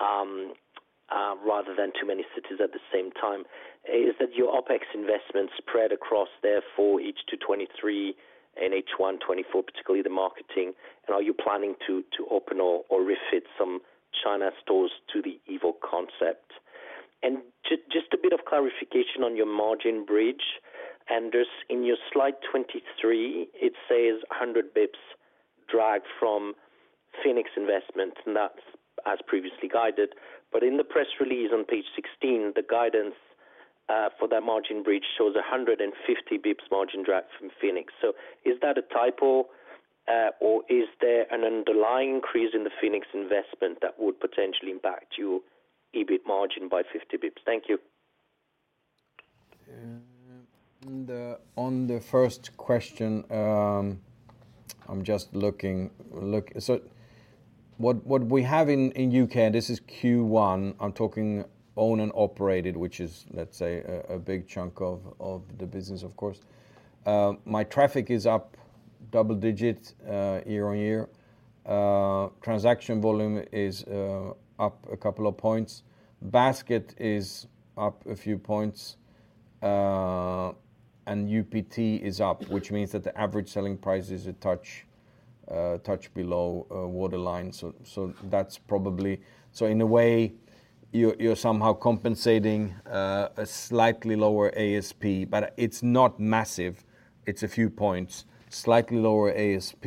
rather than too many cities at the same time. Is that your OpEx investment spread across therefore H2 2023 and H1 2024, particularly the marketing? Are you planning to open or refit some China stores to the Evoke concept? Just a bit of clarification on your margin bridge. Anders, in your slide 23, it says 100 basis points drag from Phoenix investments, and that's as previously guided. In the press release on page 16, the guidance for that margin bridge shows 150 basis points margin drag from Phoenix. Is that a typo, or is there an underlying increase in the Phoenix investment that would potentially impact your EBIT margin by 50 basis points? Thank you. On the first question, I'm just looking. What we have in U.K., and this is Q1, I'm talking owned and operated, which is, let's say a big chunk of the business, of course. My traffic is up double digits year-over-year. Transaction volume is up a couple of points. Basket is up a few points. UPT is up, which means that the average selling price is a touch below waterline. That's probably in a way, you're somehow compensating a slightly lower ASP, but it's not massive. It's a few points, slightly lower ASP,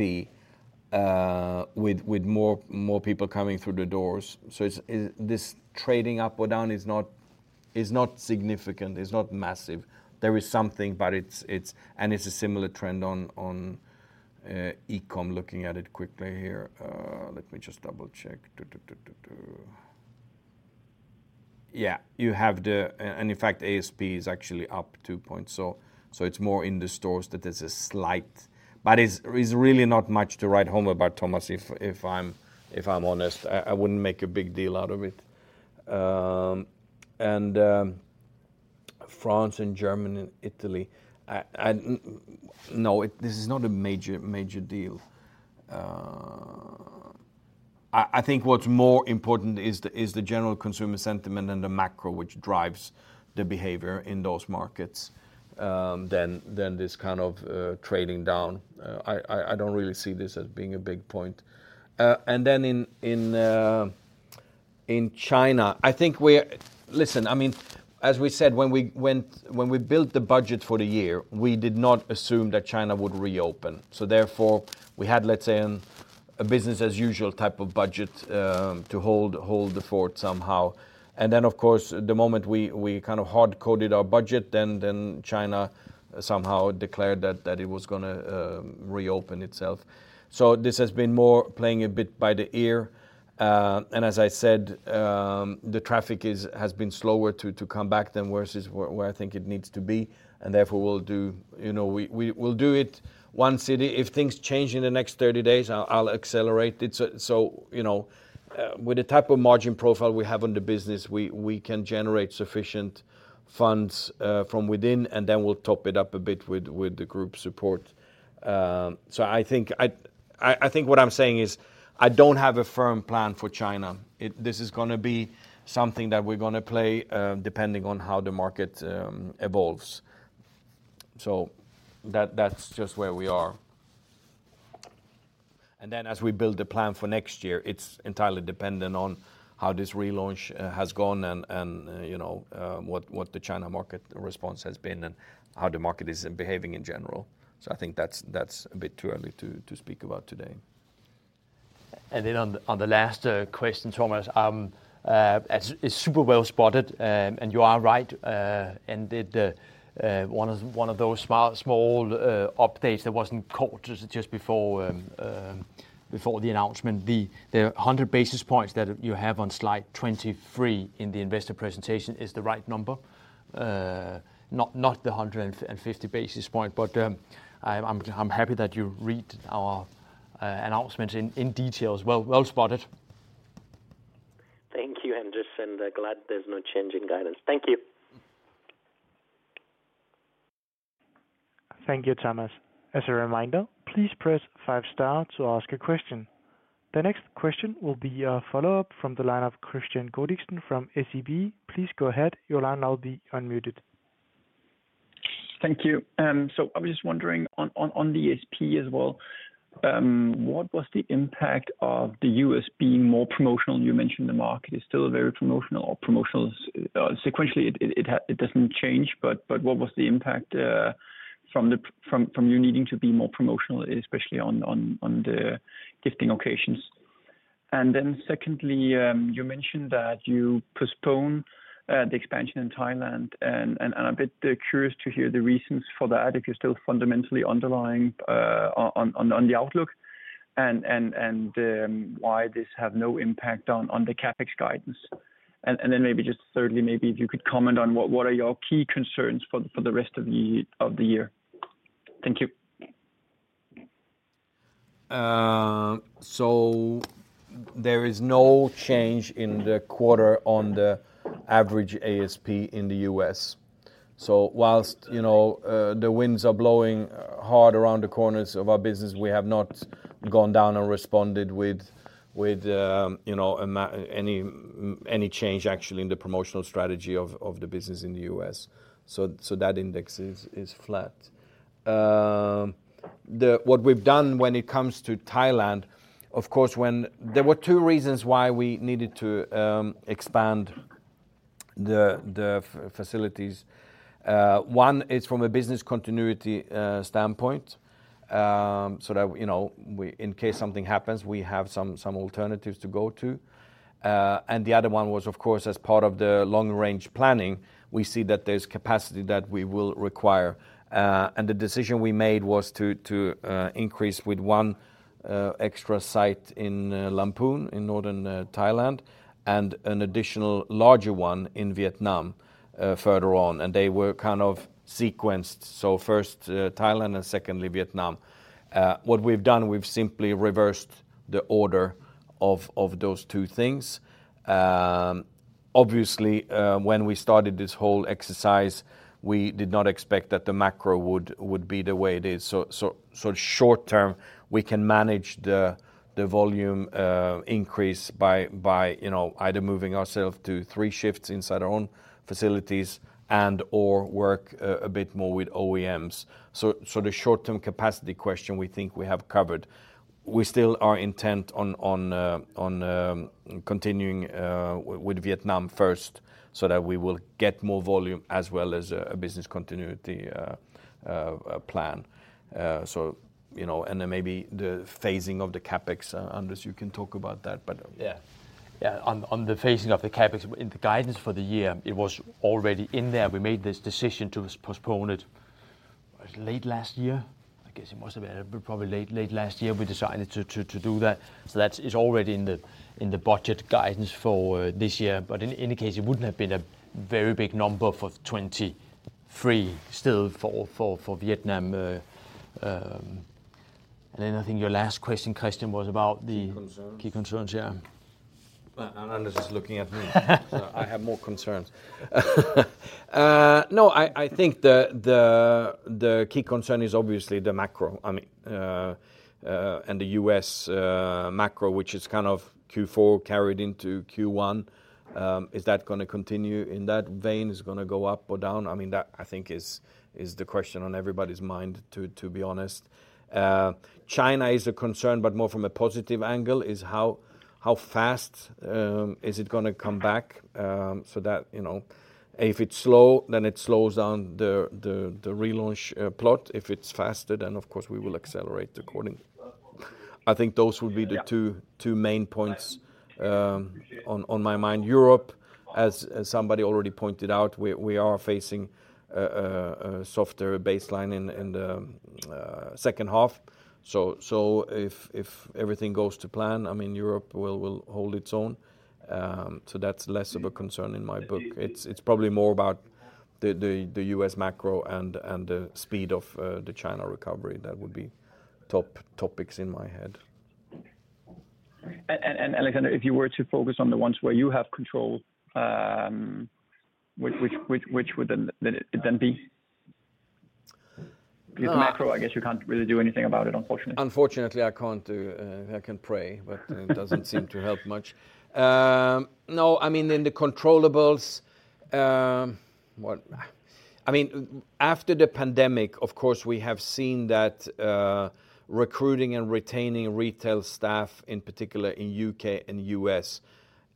with more people coming through the doors. This trading up or down is not significant. It's not massive. There is something, but it's, It's a similar trend on e-com. Looking at it quickly here. Let me just double-check. Yeah. You have the, In fact, ASP is actually up two points, so it's more in the stores that there's a slight. It's really not much to write home about, Thomas, if I'm honest. I wouldn't make a big deal out of it. France and Germany and Italy. No, this is not a major deal. I think what's more important is the general consumer sentiment and the macro which drives the behavior in those markets than this kind of trading down. I don't really see this as being a big point. Then in China, I think we're. Listen, I mean, as we said, when we built the budget for the year, we did not assume that China would reopen. Therefore, we had, let's say, a business as usual type of budget, to hold the fort somehow. Then, of course, the moment we kind of hard-coded our budget, then China somehow declared that it was gonna reopen itself. This has been more playing a bit by the ear. As I said, the traffic has been slower to come back than where I think it needs to be, and therefore we'll do, you know, we'll do it one city. If things change in the next 30 days, I'll accelerate it. you know, with the type of margin profile we have on the business, we can generate sufficient funds from within, and then we'll top it up a bit with the group support. I think what I'm saying is I don't have a firm plan for China. This is gonna be something that we're gonna play depending on how the market evolves. That's just where we are. As we build the plan for next year, it's entirely dependent on how this relaunch has gone and, you know, what the China market response has been and how the market is behaving in general. I think that's a bit too early to speak about today. On the last question, Thomas, it's super well spotted, and you are right. And it, one of those small updates that wasn't caught just before the announcement. The 100 basis points that you have on slide 23 in the investor presentation is the right number, not the 150 basis point. I'm happy that you read our announcement in detail as well. Well spotted. Thank you, Anders, and glad there's no change in guidance. Thank you. Thank you, Thomas. As a reminder, please press five star to ask a question. The next question will be a follow-up from the line of Kristian Godiksen from SEB. Please go ahead. Your line will now be unmuted. Thank you. I was just wondering on the ASP as well, what was the impact of the U.S. being more promotional? You mentioned the market is still very promotional or promotional. Sequentially, it doesn't change, but what was the impact from you needing to be more promotional, especially on the gifting occasions? Secondly, you mentioned that you postpone the expansion in Thailand, and I'm a bit curious to hear the reasons for that if you're still fundamentally underlying on the outlook and why this have no impact on the CapEx guidance. Thirdly, maybe if you could comment on what are your key concerns for the rest of the year. Thank you. There is no change in the quarter on the average ASP in the U.S. Whilst, you know, the winds are blowing hard around the corners of our business, we have not gone down and responded with, you know, any change actually in the promotional strategy of the business in the U.S. That index is flat. What we've done when it comes to Thailand, of course, when there were two reasons why we needed to expand the facilities. One is from a business continuity standpoint, so that, you know, we, in case something happens, we have some alternatives to go to. The other one was, of course, as part of the long-range planning, we see that there's capacity that we will require. The decision we made was to increase with one extra site in Lamphun in Northern Thailand and an additional larger one in Vietnam further on. They were kind of sequenced, so first Thailand and secondly Vietnam. What we've done, we've simply reversed the order of those two things. Obviously, when we started this whole exercise, we did not expect that the macro would be the way it is. Short term, we can manage the volume increase, you know, either moving ourself to three shifts inside our own facilities and/or work a bit more with OEMs. The short term capacity question, we think we have covered. We still are intent on continuing with Vietnam first so that we will get more volume as well as a business continuity plan. So, you know, and then maybe the phasing of the CapEx. Anders, you can talk about that. Yeah. Yeah. On the phasing of the CapEx, in the guidance for the year, it was already in there. We made this decision to postpone it late last year. I guess it must have been probably late last year we decided to do that. That is already in the, in the budget guidance for this year. In any case, it wouldn't have been a very big number for 2023 still for Vietnam. And then I think your last question, Kristian, was about. Key concerns key concerns. Yeah. Anders is looking at me. I have more concerns. No, I think the key concern is obviously the macro. I mean, the U.S. macro, which is kind of Q4 carried into Q1. Is that gonna continue in that vein? Is it gonna go up or down? I mean, that I think is the question on everybody's mind to be honest. China is a concern, more from a positive angle, is how fast is it gonna come back? You know, if it's slow, then it slows down the relaunch plot. If it's faster, then of course we will accelerate according. I think those would be the two main points on my mind. Europe, as somebody already pointed out, we are facing a softer baseline in the second half. If everything goes to plan, I mean, Europe will hold its own. That's less of a concern in my book. It's probably more about the U.S. macro and the speed of the China recovery that would be top topics in my head. Alexander, if you were to focus on the ones where you have control, which would then it then be? Uh- Macro, I guess you can't really do anything about it, unfortunately. Unfortunately, I can't do. I can pray, but it doesn't seem to help much. No, I mean, in the controllables, what I mean, after the pandemic, of course, we have seen that recruiting and retaining retail staff, in particular in U.K. and U.S.,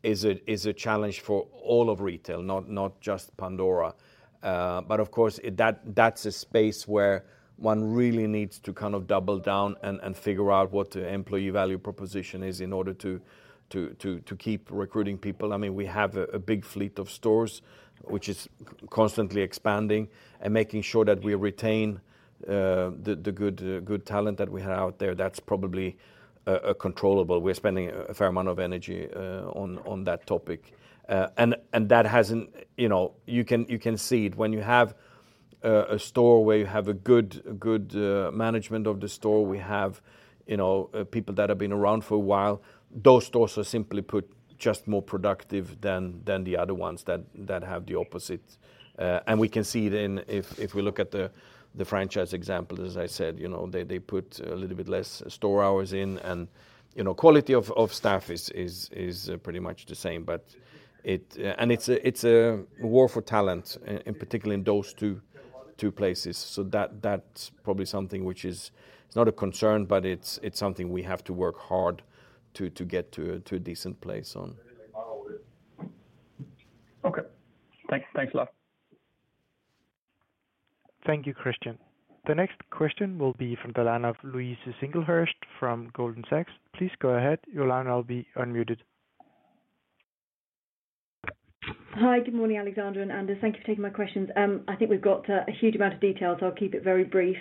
is a challenge for all of retail, not just Pandora. Of course, that's a space where one really needs to kind of double down and figure out what the employee value proposition is in order to keep recruiting people. I mean, we have a big fleet of stores which is constantly expanding and making sure that we retain the good talent that we have out there. That's probably a controllable. We're spending a fair amount of energy on that topic. That hasn't, you know, you can, you can see it. When you have a store where you have a good management of the store, we have, you know, people that have been around for a while. Those stores are simply put, just more productive than the other ones that have the opposite. We can see it in if we look at the franchise example, as I said, you know, they put a little bit less store hours in and, you know, quality of staff is pretty much the same. It's a war for talent, in particular in those two places. That's probably something which is not a concern, but it's something we have to work hard to get to a decent place on. Okay. Thanks a lot. Thank you, Kristian. The next question will be from the line of Louise Singlehurst from Goldman Sachs. Please go ahead. Your line will be unmuted. Hi, good morning, Alexander and Anders. Thank you for taking my questions. I think we've got a huge amount of details. I'll keep it very brief.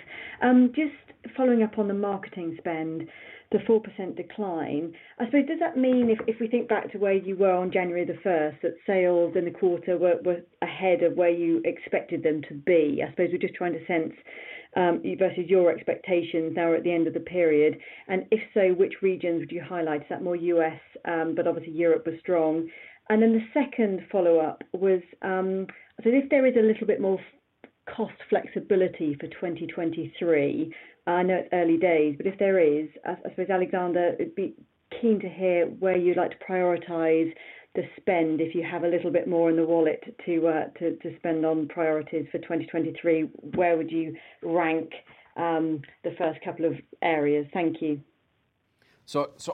Just following up on the marketing spend, the 4% decline. Does that mean if we think back to where you were on January 1st, that sales in the quarter were ahead of where you expected them to be? We're just trying to sense versus your expectations now at the end of the period. If so, which regions would you highlight? Is that more U.S., but obviously Europe was strong. The second follow-up was if there is a little bit more cost flexibility for 2023, I know it's early days, but if there is, I suppose, Alexander, it'd be keen to hear where you'd like to prioritize the spend if you have a little bit more in the wallet to spend on priorities for 2023. Where would you rank the first couple of areas? Thank you.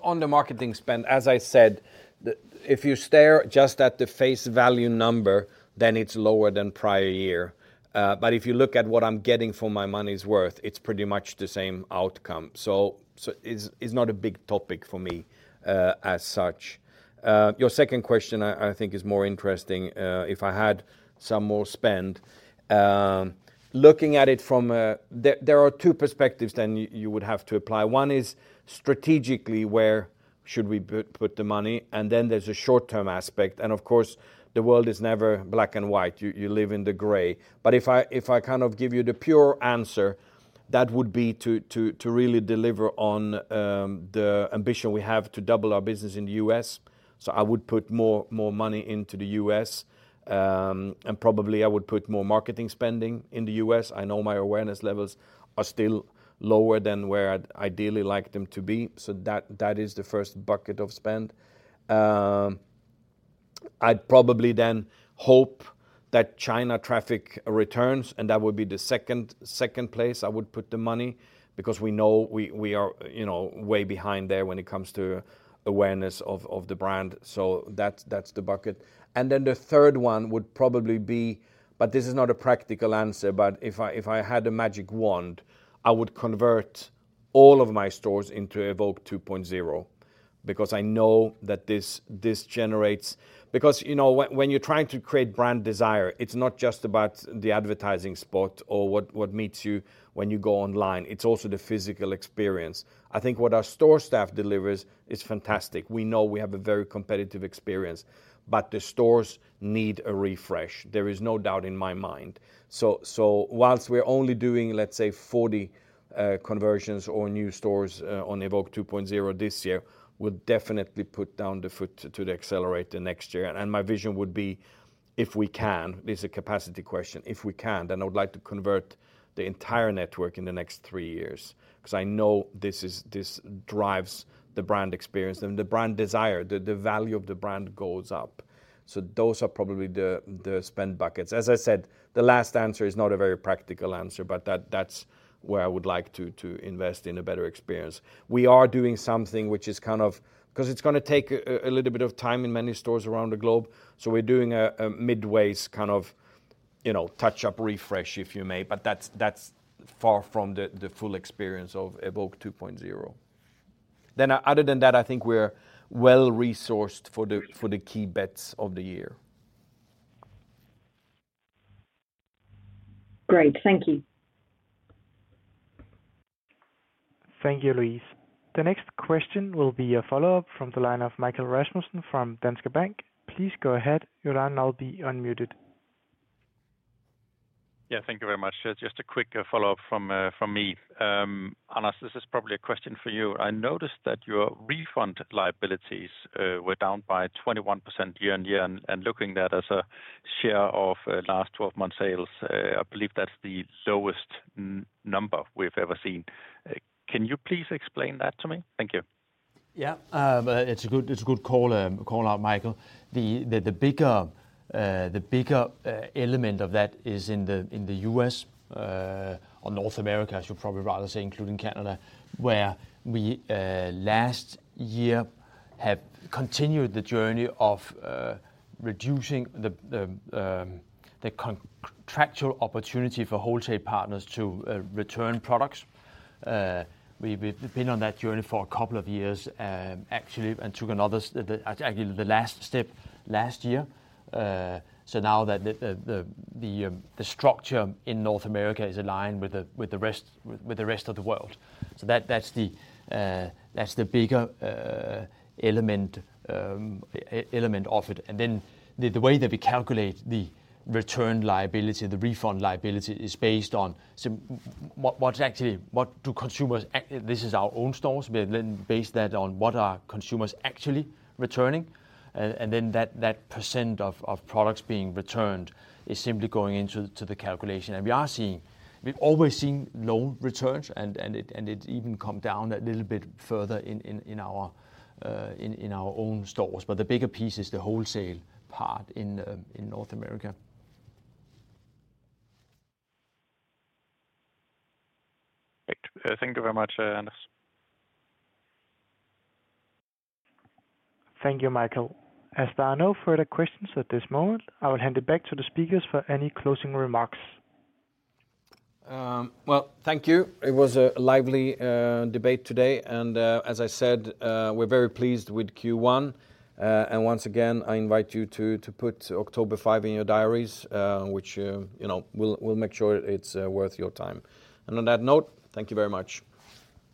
On the marketing spend, as I said, if you stare just at the face value number, then it's lower than prior year. If you look at what I'm getting for my money's worth, it's pretty much the same outcome. It's not a big topic for me as such. Your second question I think is more interesting if I had some more spend. Looking at it from a. There are two perspectives then you would have to apply. One is strategically where should we put the money, and then there's a short-term aspect. Of course, the world is never black and white, you live in the gray. If I kind of give you the pure answer, that would be to really deliver on the ambition we have to double our business in the U.S. I would put more money into the U.S., and probably I would put more marketing spending in the U.S. I know my awareness levels are still lower than where I'd ideally like them to be. That is the first bucket of spend. I'd probably hope that China traffic returns, and that would be the second place I would put the money because we know we are, you know, way behind there when it comes to awareness of the brand. That's the bucket. The third one would probably be, but this is not a practical answer, but if I had a magic wand, I would convert all of my stores into Evoke 2.0 because I know that this generates, you know, when you're trying to create brand desire, it's not just about the advertising spot or what meets you when you go online, it's also the physical experience. I think what our store staff delivers is fantastic. We know we have a very competitive experience, but the stores need a refresh. There is no doubt in my mind. Whilst we're only doing, let's say, 40 conversions or new stores on Evoke 2.0 this year, we'll definitely put down the foot to the accelerator next year. My vision would be if we can, this is a capacity question, if we can, then I would like to convert the entire network in the next three years, because I know this drives the brand experience and the brand desire. The value of the brand goes up. Those are probably the spend buckets. As I said, the last answer is not a very practical answer, but that's where I would like to invest in a better experience. We are doing something which is kind of, because it's gonna take a little bit of time in many stores around the globe, so we're doing a midways, kind of, you know, touch up refresh, if you may. But that's far from the full experience of Evoke 2.0. Other than that, I think we're well-resourced for the key bets of the year. Great. Thank you. Thank you, Louise. The next question will be a follow-up from the line of Michael Vitfell-Rasmussen from Danske Bank. Please go ahead. Your line now will be unmuted. Yeah, thank you very much. Just a quick follow-up from me. Anders, this is probably a question for you. I noticed that your refund liabilities were down by 21% year-on-year. Looking that as a share of last 12 months sales, I believe that's the lowest number we've ever seen. Can you please explain that to me? Thank you. Yeah. It's a good call out, Michael. The bigger element of that is in the U.S., or North America, I should probably rather say, including Canada, where we last year have continued the journey of reducing the contractual opportunity for wholesale partners to return products. We've been on that journey for a couple of years, actually, and took another the actually the last step last year. Now the structure in North America is aligned with the rest of the world. That's the bigger element of it. The way that we calculate the return liability, the refund liability is based on what actually. This is our own stores. We then base that on what are consumers actually returning. Then that percent of products being returned is simply going into the calculation. We are seeing. We've always seen low returns and it even come down a little bit further in our own stores. The bigger piece is the wholesale part in North America. Great. Thank you very much, Anders. Thank you, Michael. As there are no further questions at this moment, I will hand it back to the speakers for any closing remarks. Well, thank you. It was a lively debate today. As I said, we're very pleased with Q1. Once again, I invite you to put October 5 in your diaries, which, you know, we'll make sure it's worth your time. On that note, thank you very much.